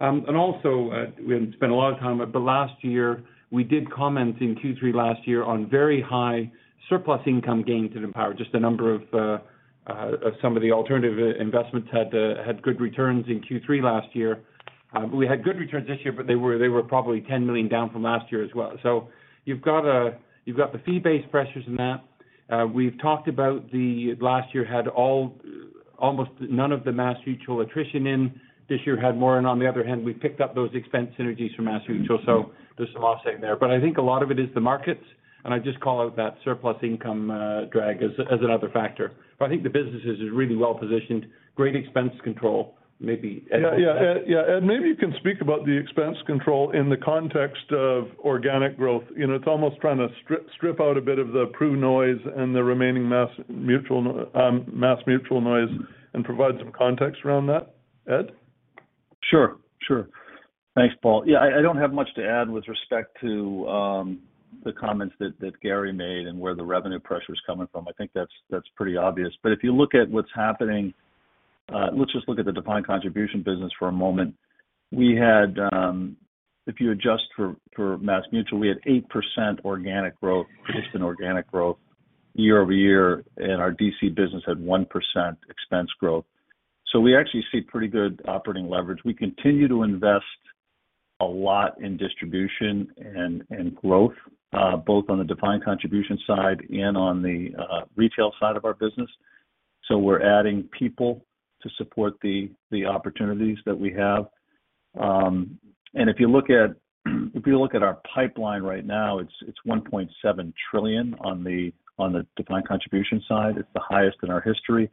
We haven't spent a lot of time, but last year, we did comment in Q3 last year on very high surplus income gains at Empower, just a number of some of the alternative investments had good returns in Q3 last year. We had good returns this year, but they were probably 10 million down from last year as well. You've got the fee-based pressures in that. We've talked about the last year had almost none of the MassMutual attrition in. This year had more, and on the other hand, we picked up those expense synergies from MassMutual, so there's some offset there. I think a lot of it is the markets, and I just call out that surplus income drag as another factor. I think the business is really well positioned, great expense control. Maybe Ed can- Yeah. Ed, maybe you can speak about the expense control in the context of organic growth. You know, it's almost trying to strip out a bit of the Pru noise and the remaining MassMutual noise and provide some context around that. Ed? Thanks, Paul. Yeah, I don't have much to add with respect to the comments that Garry made and where the revenue pressure is coming from. I think that's pretty obvious. If you look at what's happening, let's just look at the defined contribution business for a moment. We had, if you adjust for MassMutual, we had 8% organic growth, just in organic growth year-over-year, and our DC business had 1% expense growth. We actually see pretty good operating leverage. We continue to invest a lot in distribution and growth, both on the defined contribution side and on the retail side of our business. We're adding people to support the opportunities that we have. If you look at our pipeline right now, it's $1.7 trillion on the defined contribution side. It's the highest in our history.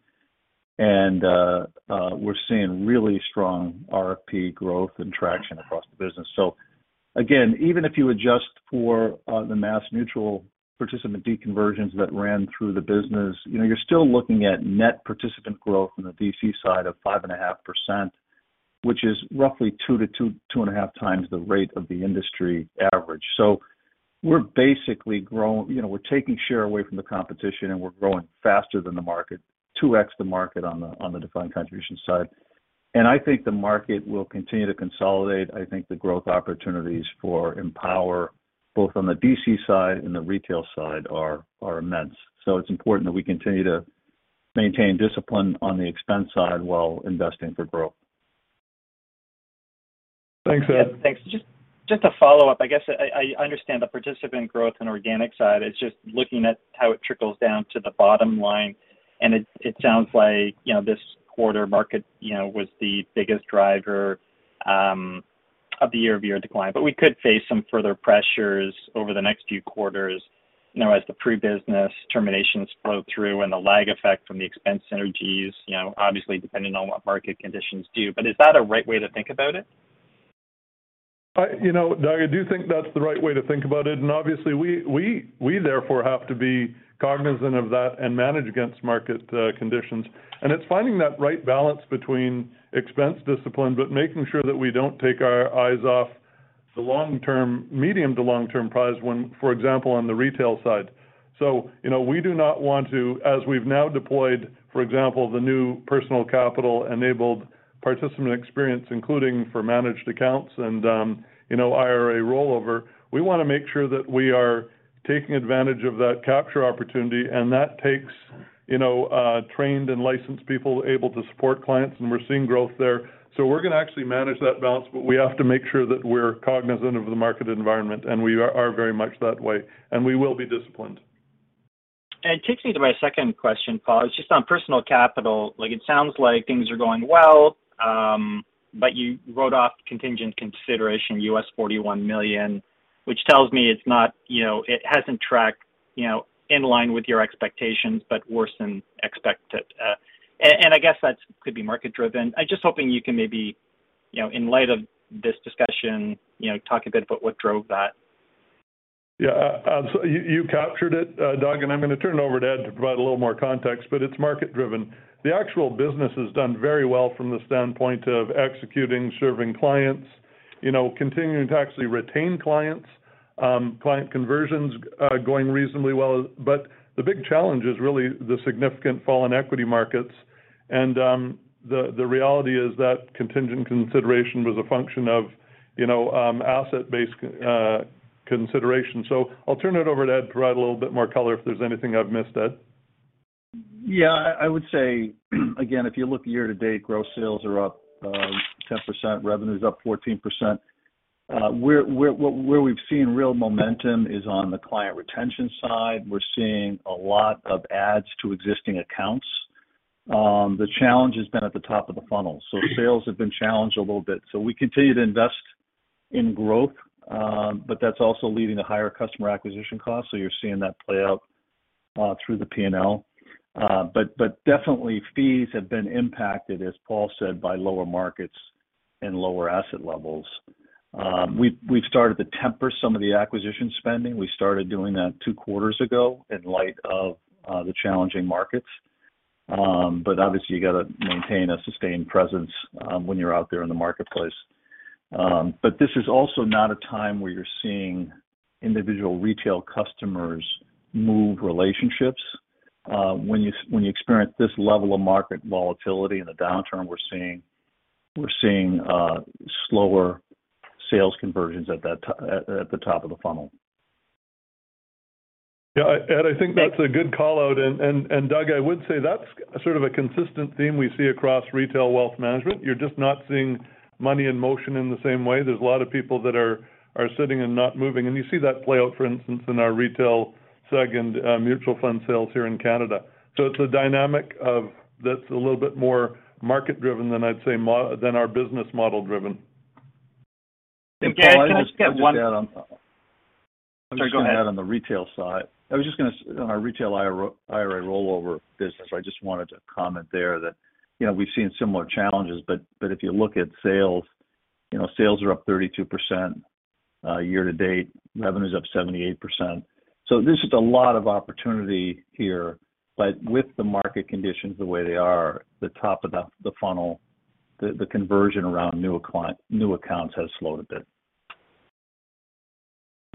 We're seeing really strong RFP growth and traction across the business. Even if you adjust for the MassMutual participant deconversions that ran through the business, you know, you're still looking at net participant growth from the DC side of 5.5%, which is roughly 2x-2.5x the rate of the industry average. You know, we're taking share away from the competition, and we're growing faster than the market, 2x the market on the defined contribution side. I think the market will continue to consolidate. I think the growth opportunities for Empower, both on the DC side and the retail side are immense. It's important that we continue to maintain discipline on the expense side while investing for growth. Thanks, Ed. Yeah. Thanks. Just a follow-up. I guess I understand the participant growth and organic side. It's just looking at how it trickles down to the bottom line, and it sounds like, you know, this quarter market, you know, was the biggest driver of the year-over-year decline. We could face some further pressures over the next few quarters, you know, as the pre-business terminations flow through and the lag effect from the expense synergies, you know, obviously depending on what market conditions do. Is that a right way to think about it? You know, Doug, I do think that's the right way to think about it, and obviously, we therefore have to be cognizant of that and manage against market conditions. It's finding that right balance between expense discipline, but making sure that we don't take our eyes off the long-term, medium to long-term prize when, for example, on the retail side. You know, we do not want to as we've now deployed, for example, the new Personal Capital enabled participant experience, including for managed accounts and, you know, IRA rollover. We wanna make sure that we are taking advantage of that capture opportunity, and that takes, you know, trained and licensed people able to support clients, and we're seeing growth there. We're gonna actually manage that balance, but we have to make sure that we're cognizant of the market environment, and we are very much that way, and we will be disciplined. It takes me to my second question, Paul. It's just on Personal Capital. Like, it sounds like things are going well, but you wrote off contingent consideration $41 million, which tells me it's not, you know, it hasn't tracked, you know, in line with your expectations, but worse than expected. I guess that could be market driven. I'm just hoping you can maybe, you know, in light of this discussion, you know, talk a bit about what drove that. Yeah. You captured it, Doug, and I'm gonna turn it over to Ed to provide a little more context, but it's market driven. The actual business has done very well from the standpoint of executing, serving clients, you know, continuing to actually retain clients, client conversions going reasonably well. The big challenge is really the significant fall in equity markets. The reality is that contingent consideration was a function of, you know, asset-based consideration. I'll turn it over to Ed to provide a little bit more color if there's anything I've missed, Ed. Yeah. I would say, again, if you look year to date, gross sales are up 10%, revenue's up 14%. Where we've seen real momentum is on the client retention side. We're seeing a lot of adds to existing accounts. The challenge has been at the top of the funnel. Sales have been challenged a little bit. We continue to invest in growth, but that's also leading to higher customer acquisition costs. You're seeing that play out through the P&L. Definitely fees have been impacted, as Paul said, by lower markets and lower asset levels. We've started to temper some of the acquisition spending. We started doing that two quarters ago in light of the challenging markets. Obviously, you got to maintain a sustained presence, when you're out there in the marketplace. This is also not a time where you're seeing individual retail customers move relationships. When you experience this level of market volatility in the downturn we're seeing, we're seeing slower sales conversions at the top of the funnel. Yeah. Ed, I think that's a good call out. Doug, I would say that's sort of a consistent theme we see across retail wealth management. You're just not seeing money in motion in the same way. There's a lot of people that are sitting and not moving. You see that play out, for instance, in our retail seg and mutual fund sales here in Canada. It's a dynamic that's a little bit more market driven than our business model driven. Garry, can I just get one? Well, I would just add on. Sorry, go ahead. I'm just going to add on the retail side. I was just gonna say on our retail IRA rollover business, I just wanted to comment there that, you know, we've seen similar challenges. If you look at sales, you know, sales are up 32%, year to date. Revenue is up 78%. There's just a lot of opportunity here. With the market conditions the way they are, the top of the funnel, the conversion around new accounts has slowed a bit.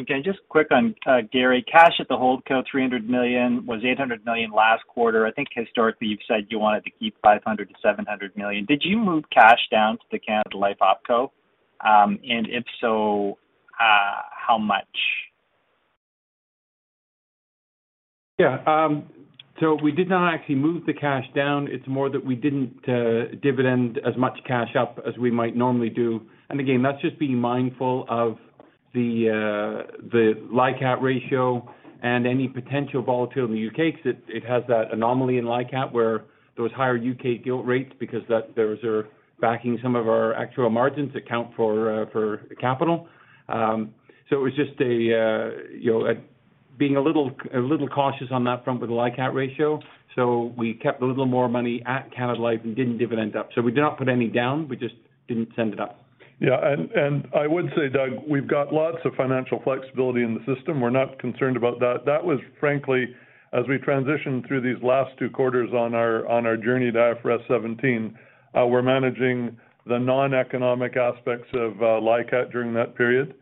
Okay. Just quick on Garry. Cash at the holdco, 300 million, was 800 million last quarter. I think historically you've said you wanted to keep 500 million-700 million. Did you move cash down to the Canada Life OpCo? And if so, how much? Yeah. We did not actually move the cash down. It's more that we didn't dividend as much cash up as we might normally do. Again, that's just being mindful of The LICAT ratio and any potential volatility in the U.K., because it has that anomaly in LICAT where those higher U.K. gilt rates because those are backing some of our actual margins account for capital. It was just, you know, being a little cautious on that front with the LICAT ratio. We kept a little more money at Canada Life and didn't dividend up. We did not put any down, we just didn't send it up. I would say, Doug, we've got lots of financial flexibility in the system. We're not concerned about that. That was frankly, as we transitioned through these last two quarters on our journey to IFRS 17, we're managing the non-economic aspects of LICAT during that period.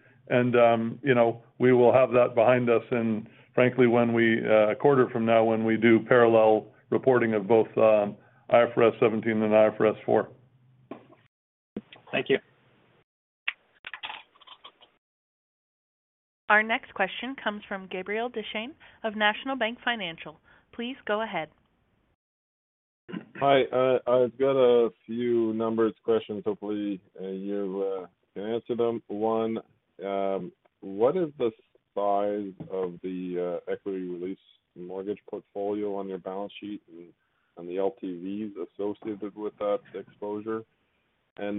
We will have that behind us and frankly, a quarter from now when we do parallel reporting of both IFRS 17 and IFRS 4. Thank you. Our next question comes from Gabriel Dechaine of National Bank Financial. Please go ahead. Hi, I've got a few numbers questions. Hopefully you can answer them. One, what is the size of the equity release mortgage portfolio on your balance sheet and the LTVs associated with that exposure? As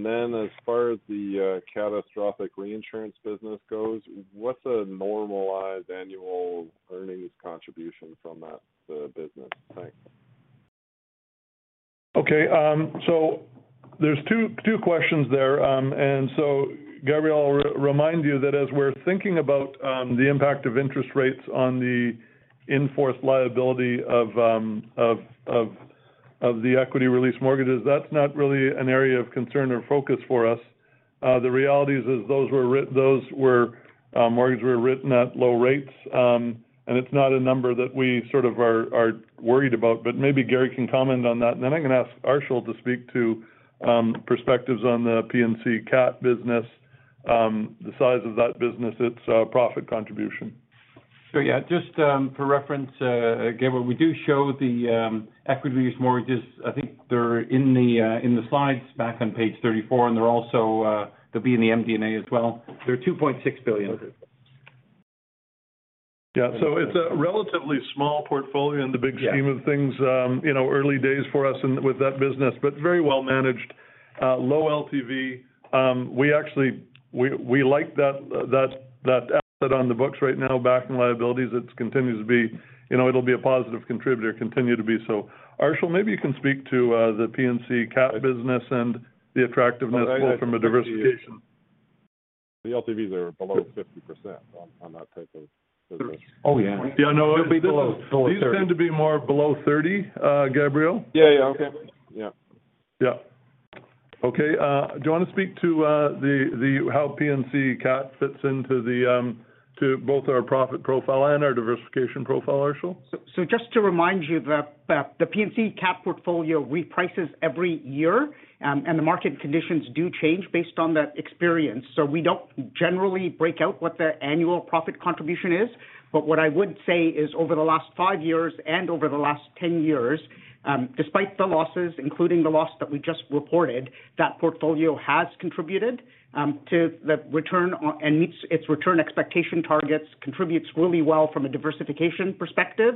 far as the catastrophic reinsurance business goes, what's a normalized annual earnings contribution from that business? Thanks. Okay, so there's two questions there. Gabriel, I'll remind you that as we're thinking about the impact of interest rates on the in-force liability of the equity release mortgages, that's not really an area of concern or focus for us. The reality is those were mortgages written at low rates, and it's not a number that we sort of are worried about, but maybe Garry can comment on that. I'm gonna ask Arshil to speak to perspectives on the P&C Cat business, the size of that business, its profit contribution. For reference, Gabriel, we do show the equity release mortgages. I think they're in the slides back on page 34, and they'll be in the MD&A as well. They're 2.6 billion. Yeah. It's a relatively small portfolio in the big scheme of things. Early days for us with that business, but very well managed, low LTV. We like that asset on the books right now backing liabilities. It continues to be. It'll be a positive contributor, continue to be so. Arshil, maybe you can speak to the P&C Cat business and the attractiveness both from a diversification. The LTVs are below 50% on that type of business. Oh, yeah. Yeah, no. These tend to be more below 30, Gabriel. Yeah, yeah. Okay. Yeah. Yeah. Okay. Do you wanna speak to how P&C Cat fits into both our profit profile and our diversification profile, Arshil? Just to remind you that the P&C Cat portfolio reprices every year, and the market conditions do change based on that experience. We don't generally break out what the annual profit contribution is. What I would say is over the last five years and over the last 10 years, despite the losses, including the loss that we just reported, that portfolio has contributed to the return on and meets its return expectation targets, contributes really well from a diversification perspective,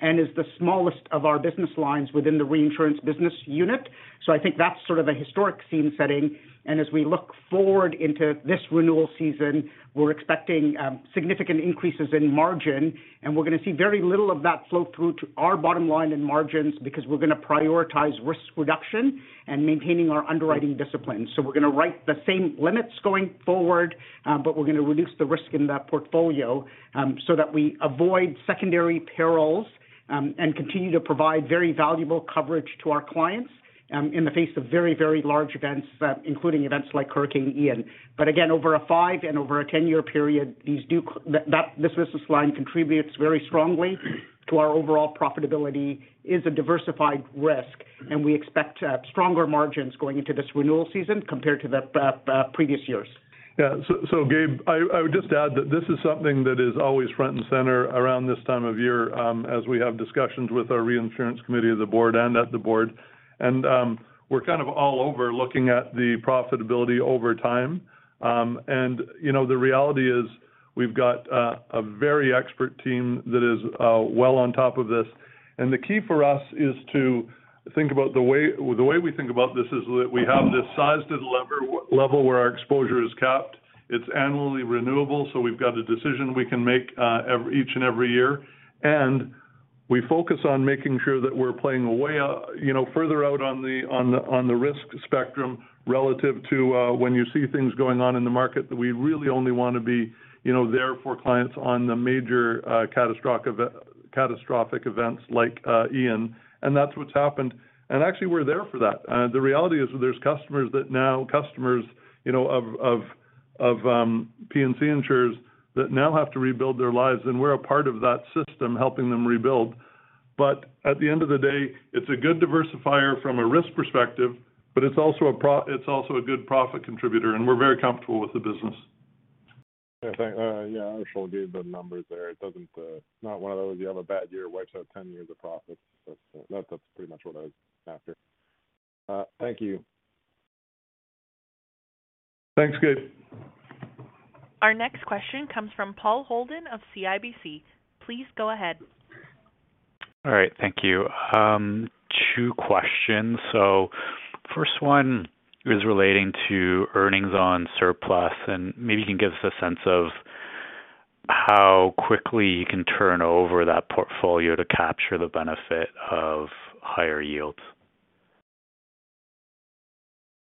and is the smallest of our business lines within the reinsurance business unit. I think that's sort of a historic scene setting. As we look forward into this renewal season, we're expecting significant increases in margin, and we're gonna see very little of that flow through to our bottom line in margins because we're gonna prioritize risk reduction and maintaining our underwriting discipline. We're gonna write the same limits going forward, but we're gonna reduce the risk in that portfolio, so that we avoid secondary perils, and continue to provide very valuable coverage to our clients, in the face of very, very large events, including events like Hurricane Ian. Again, over a 5- and 10-year period, this business line contributes very strongly to our overall profitability, is a diversified risk, and we expect stronger margins going into this renewal season compared to the previous years. Yeah. Gabe, I would just add that this is something that is always front and center around this time of year, as we have discussions with our reinsurance committee of the board and at the board. We're kind of all over looking at the profitability over time. You know, the reality is we've got a very expert team that is well on top of this. The key for us is to think about the way we think about this is that we have this sized and level where our exposure is capped. It's annually renewable, so we've got a decision we can make each and every year. We focus on making sure that we're playing way out, you know, further out on the risk spectrum relative to when you see things going on in the market that we really only wanna be, you know, there for clients on the major catastrophic events like Ian. That's what's happened. Actually, we're there for that. The reality is that there's customers that now of P&C insurers that now have to rebuild their lives, and we're a part of that system helping them rebuild. At the end of the day, it's a good diversifier from a risk perspective, but it's also a good profit contributor, and we're very comfortable with the business. Yeah, Arshil gave the numbers there. It doesn't not one of those you have a bad year, wipes out ten years of profits. That's pretty much what I was after. Thank you. Thanks, Gabe. Our next question comes from Paul Holden of CIBC. Please go ahead. All right. Thank you. Two questions. First one is relating to earnings on surplus, and maybe you can give us a sense of how quickly you can turn over that portfolio to capture the benefit of higher yields.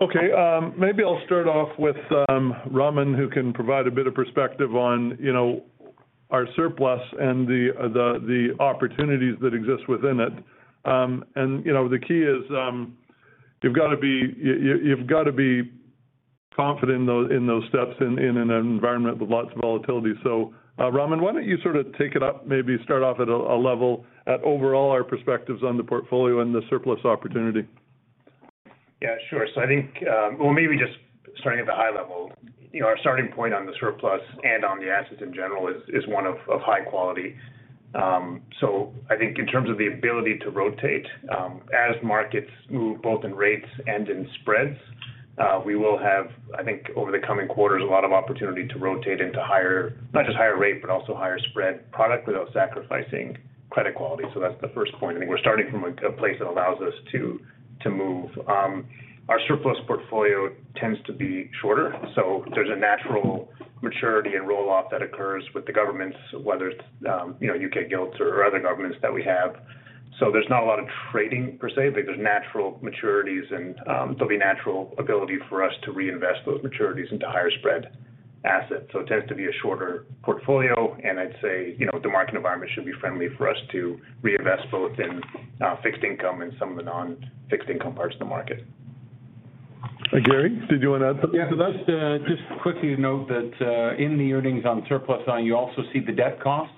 Okay. Maybe I'll start off with Raman, who can provide a bit of perspective on, you know, our surplus and the opportunities that exist within it. You know, the key is, you've gotta be confident in those steps in an environment with lots of volatility. Raman, why don't you sort of take it up, maybe start off at a high level overall our perspectives on the portfolio and the surplus opportunity? Yeah, sure. I think, well, maybe just starting at the high level, you know, our starting point on the surplus and on the assets in general is one of high quality. I think in terms of the ability to rotate, as markets move both in rates and in spreads, we will have, I think, over the coming quarters, a lot of opportunity to rotate into higher, not just higher rate, but also higher spread product without sacrificing credit quality. That's the first point. I think we're starting from a place that allows us to move. Our surplus portfolio tends to be shorter, so there's a natural maturity and roll-off that occurs with the governments, whether it's, you know, U.K. gilts or other governments that we have. There's not a lot of trading per se. I think there's natural maturities and there'll be natural ability for us to reinvest those maturities into higher spread assets. It tends to be a shorter portfolio, and I'd say, you know, the market environment should be friendly for us to reinvest both in fixed income and some of the non-fixed income parts of the market. Garry, did you wanna add something? Yeah. Just quickly to note that in the earnings on surplus line, you also see the debt costs.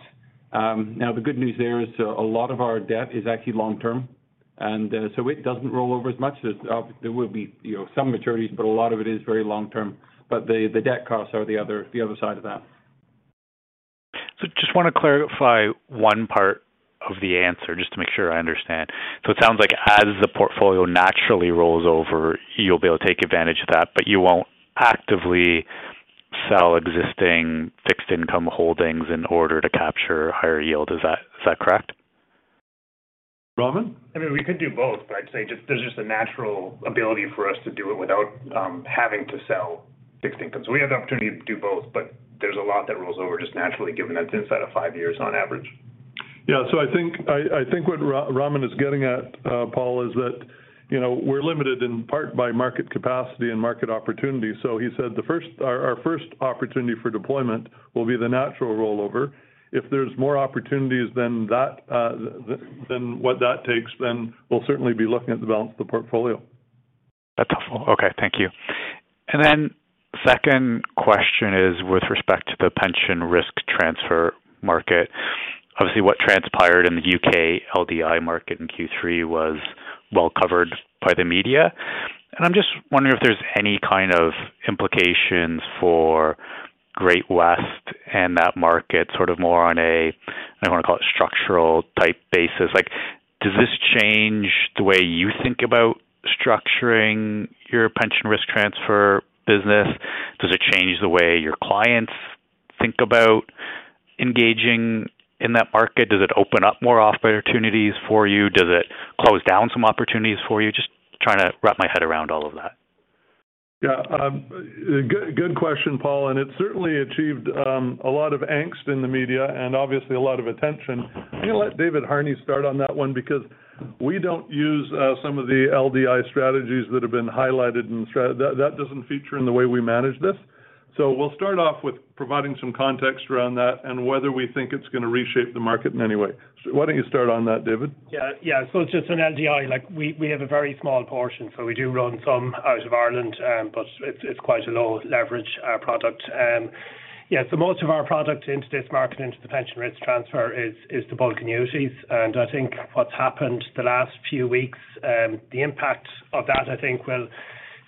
Now, the good news there is a lot of our debt is actually long term, and it doesn't roll over as much. There will be, you know, some maturities, but a lot of it is very long term. The debt costs are the other side of that. Just wanna clarify one part of the answer, just to make sure I understand. It sounds like as the portfolio naturally rolls over, you'll be able to take advantage of that, but you won't actively sell existing fixed income holdings in order to capture higher yield. Is that correct? Raman? I mean, we could do both, but I'd say just, there's just a natural ability for us to do it without having to sell fixed income. We have the opportunity to do both, but there's a lot that rolls over just naturally given that's inside of five years on average. I think what Raman is getting at, Paul, is that, you know, we're limited in part by market capacity and market opportunity. He said our first opportunity for deployment will be the natural rollover. If there's more opportunities than that, than what that takes, then we'll certainly be looking at developing the portfolio. That's helpful. Okay, thank you. Second question is with respect to the pension risk transfer market. Obviously, what transpired in the U.K. LDI market in Q3 was well covered by the media. I'm just wondering if there's any kind of implications for Great-West and that market, sort of more on a, I don't wanna call it structural type basis. Like, does this change the way you think about structuring your pension risk transfer business? Does it change the way your clients think about engaging in that market? Does it open up more opportunities for you? Does it close down some opportunities for you? Just trying to wrap my head around all of that. Yeah. Good question, Paul, and it certainly achieved a lot of angst in the media and obviously a lot of attention. I'm gonna let David Harney start on that one because we don't use some of the LDI strategies that have been highlighted. That doesn't feature in the way we manage this. We'll start off with providing some context around that and whether we think it's gonna reshape the market in any way. Why don't you start on that, David? It's just on LDI, like we have a very small portion, so we do run some out of Ireland, but it's quite a low leverage product. Most of our product into this market, into the pension risk transfer is to bulk annuities. I think what's happened the last few weeks, the impact of that, I think, will.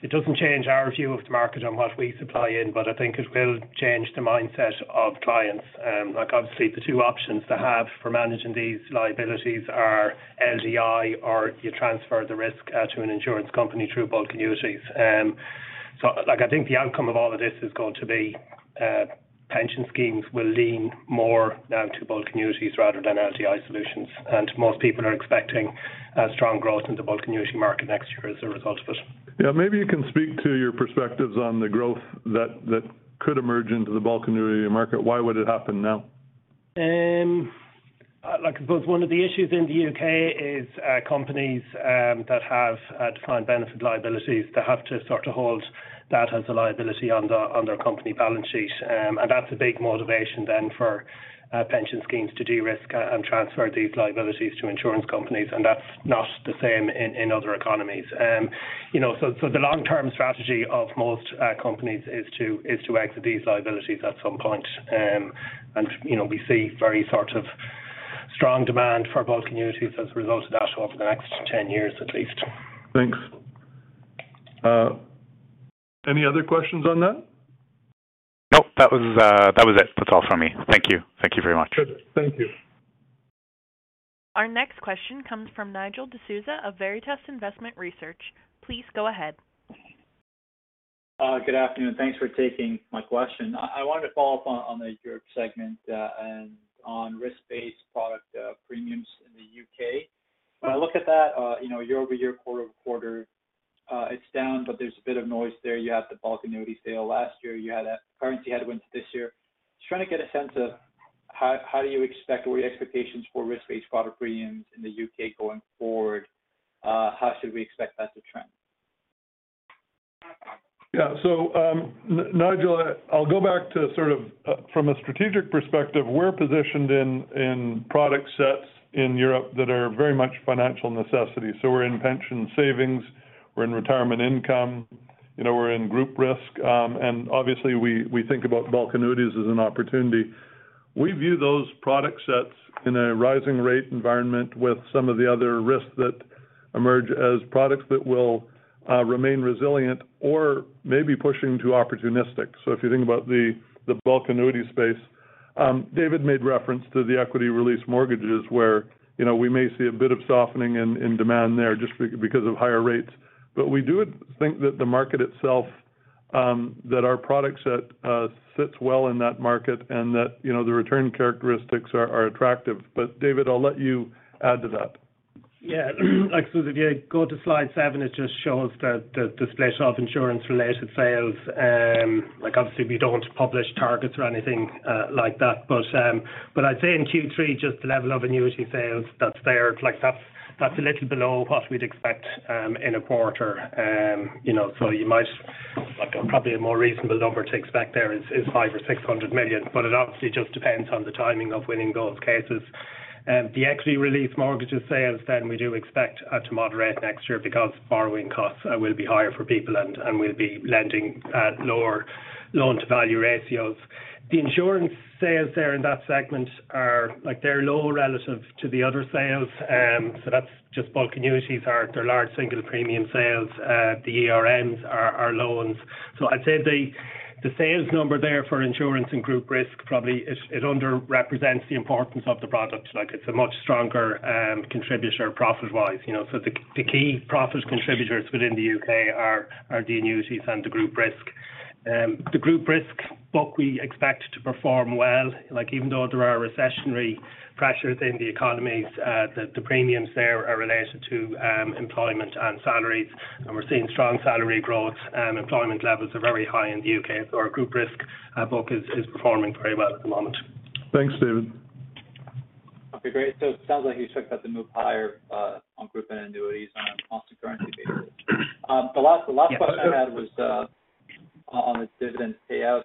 It doesn't change our view of the market on what we supply in, but I think it will change the mindset of clients. Like, obviously, the two options to have for managing these liabilities are LDI or you transfer the risk to an insurance company through bulk annuities. Like, I think the outcome of all of this is going to be, pension schemes will lean more now to bulk annuities rather than LDI solutions. Most people are expecting strong growth in the bulk annuity market next year as a result of it. Yeah. Maybe you can speak to your perspectives on the growth that could emerge into the bulk annuity market. Why would it happen now? Like, I suppose one of the issues in the U.K. is companies that have defined benefit liabilities that have to sort of hold that as a liability on their company balance sheet. That's a big motivation then for pension schemes to de-risk and transfer these liabilities to insurance companies, and that's not the same in other economies. You know, the long-term strategy of most companies is to exit these liabilities at some point. You know, we see very sort of strong demand for bulk annuities as a result of that over the next 10 years at least. Thanks. Any other questions on that? That was it. That's all from me. Thank you. Thank you very much. Good. Thank you. Our next question comes from Nigel D'Souza of Veritas Investment Research. Please go ahead. Good afternoon. Thanks for taking my question. I wanted to follow up on the Europe segment and on risk-based product premiums in the U.K. When I look at that, you know, year-over-year, quarter-over-quarter, it's down, but there's a bit of noise there. You had the bulk annuity sale last year. You had a currency headwind this year. Just trying to get a sense of how do you expect or your expectations for risk-based product premiums in the U.K. going forward, how should we expect that to trend? Yeah. Nigel, I'll go back to sort of from a strategic perspective, we're positioned in product sets in Europe that are very much financial necessities. We're in pension savings, we're in retirement income, you know, we're in group risk. And obviously, we think about bulk annuities as an opportunity. We view those product sets in a rising rate environment with some of the other risks that emerge as products that will remain resilient or may be pushing to opportunistic. If you think about the bulk annuity space, David made reference to the equity release mortgages where, you know, we may see a bit of softening in demand there just because of higher rates. We do think that the market itself, that our product set, sits well in that market and that, you know, the return characteristics are attractive. David, I'll let you add to that. Yeah. Like, if you go to slide seven, it just shows the display of insurance-related sales. Like, obviously, we don't publish targets or anything like that. I'd say in Q3, just the level of annuity sales that's there, like that's a little below what we'd expect in a quarter. You know, like probably a more reasonable number to expect there is 500 or 600 million, but it obviously just depends on the timing of winning those cases. The equity release mortgages sales then we do expect to moderate next year because borrowing costs will be higher for people and we'll be lending at lower loan-to-value ratios. The insurance sales there in that segment are, like they're low relative to the other sales. That's just bulk annuities are large single premium sales. The ERMs are loans. I'd say the sales number there for insurance and group risk probably underrepresents the importance of the product. Like it's a much stronger contributor profit-wise, you know. The key profit contributors within the U.K. are the annuities and the group risk. The group risk book we expect to perform well, like even though there are recessionary pressures in the economies, the premiums there are related to employment and salaries, and we're seeing strong salary growth. Employment levels are very high in the U.K. Our group risk book is performing very well at the moment. Thanks, David. Okay, great. It sounds like you expect that to move higher on group and annuities on a constant currency basis. The last question I had was on the dividend payout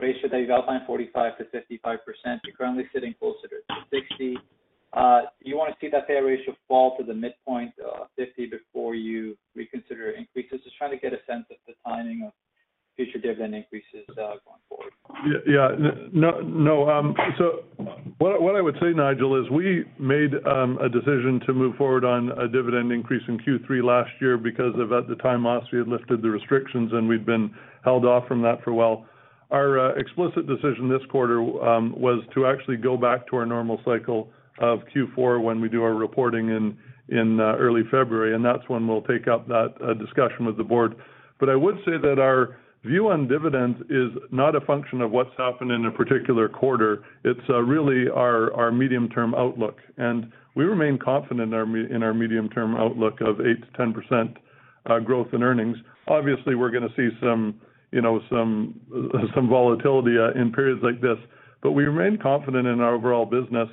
ratio that you outlined 45%-55%. You're currently sitting closer to 60%. Do you wanna see that payout ratio fall to the midpoint, 50%, before you reconsider increases? Just trying to get a sense of the timing of future dividend increases going forward. Yeah. No, no. What I would say, Nigel, is we made a decision to move forward on a dividend increase in Q3 last year because at the time we had lifted the restrictions and we'd been held off from that for a while. Our explicit decision this quarter was to actually go back to our normal cycle of Q4 when we do our reporting in early February. That's when we'll take up that discussion with the board. I would say that our view on dividends is not a function of what's happened in a particular quarter. It's really our medium-term outlook. We remain confident in our medium-term outlook of 8%-10% growth in earnings. Obviously, we're gonna see some you know volatility in periods like this. We remain confident in our overall business,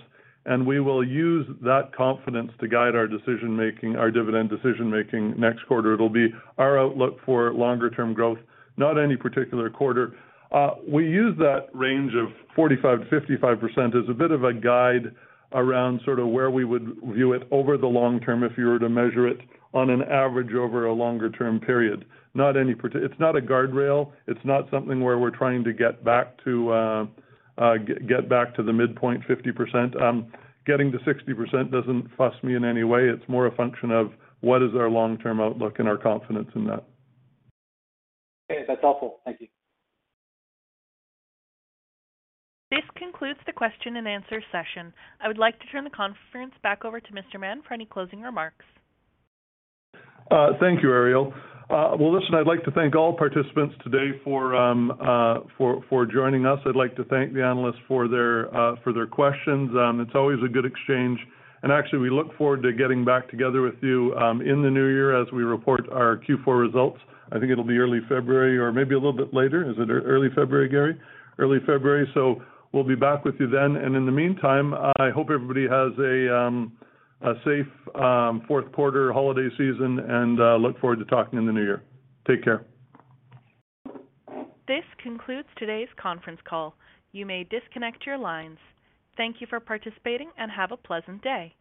and we will use that confidence to guide our decision-making, our dividend decision-making next quarter. It'll be our outlook for longer term growth, not any particular quarter. We use that range of 45%-55% as a bit of a guide around sort of where we would view it over the long term if you were to measure it on an average over a longer term period. It's not a guardrail. It's not something where we're trying to get back to get back to the midpoint, 50%. Getting to 60% doesn't fuss me in any way. It's more a function of what is our long-term outlook and our confidence in that. Okay. That's helpful. Thank you. This concludes the question and answer session. I would like to turn the conference back over to Mr. Mahon for any closing remarks. Thank you, Ariel. Well, listen, I'd like to thank all participants today for joining us. I'd like to thank the analysts for their questions. It's always a good exchange. Actually, we look forward to getting back together with you in the new year as we report our Q4 results. I think it'll be early February or maybe a little bit later. Is it early February, Garry? Early February. We'll be back with you then. In the meantime, I hope everybody has a safe fourth quarter holiday season and look forward to talking in the new year. Take care. This concludes today's conference call. You may disconnect your lines. Thank you for participating and have a pleasant day.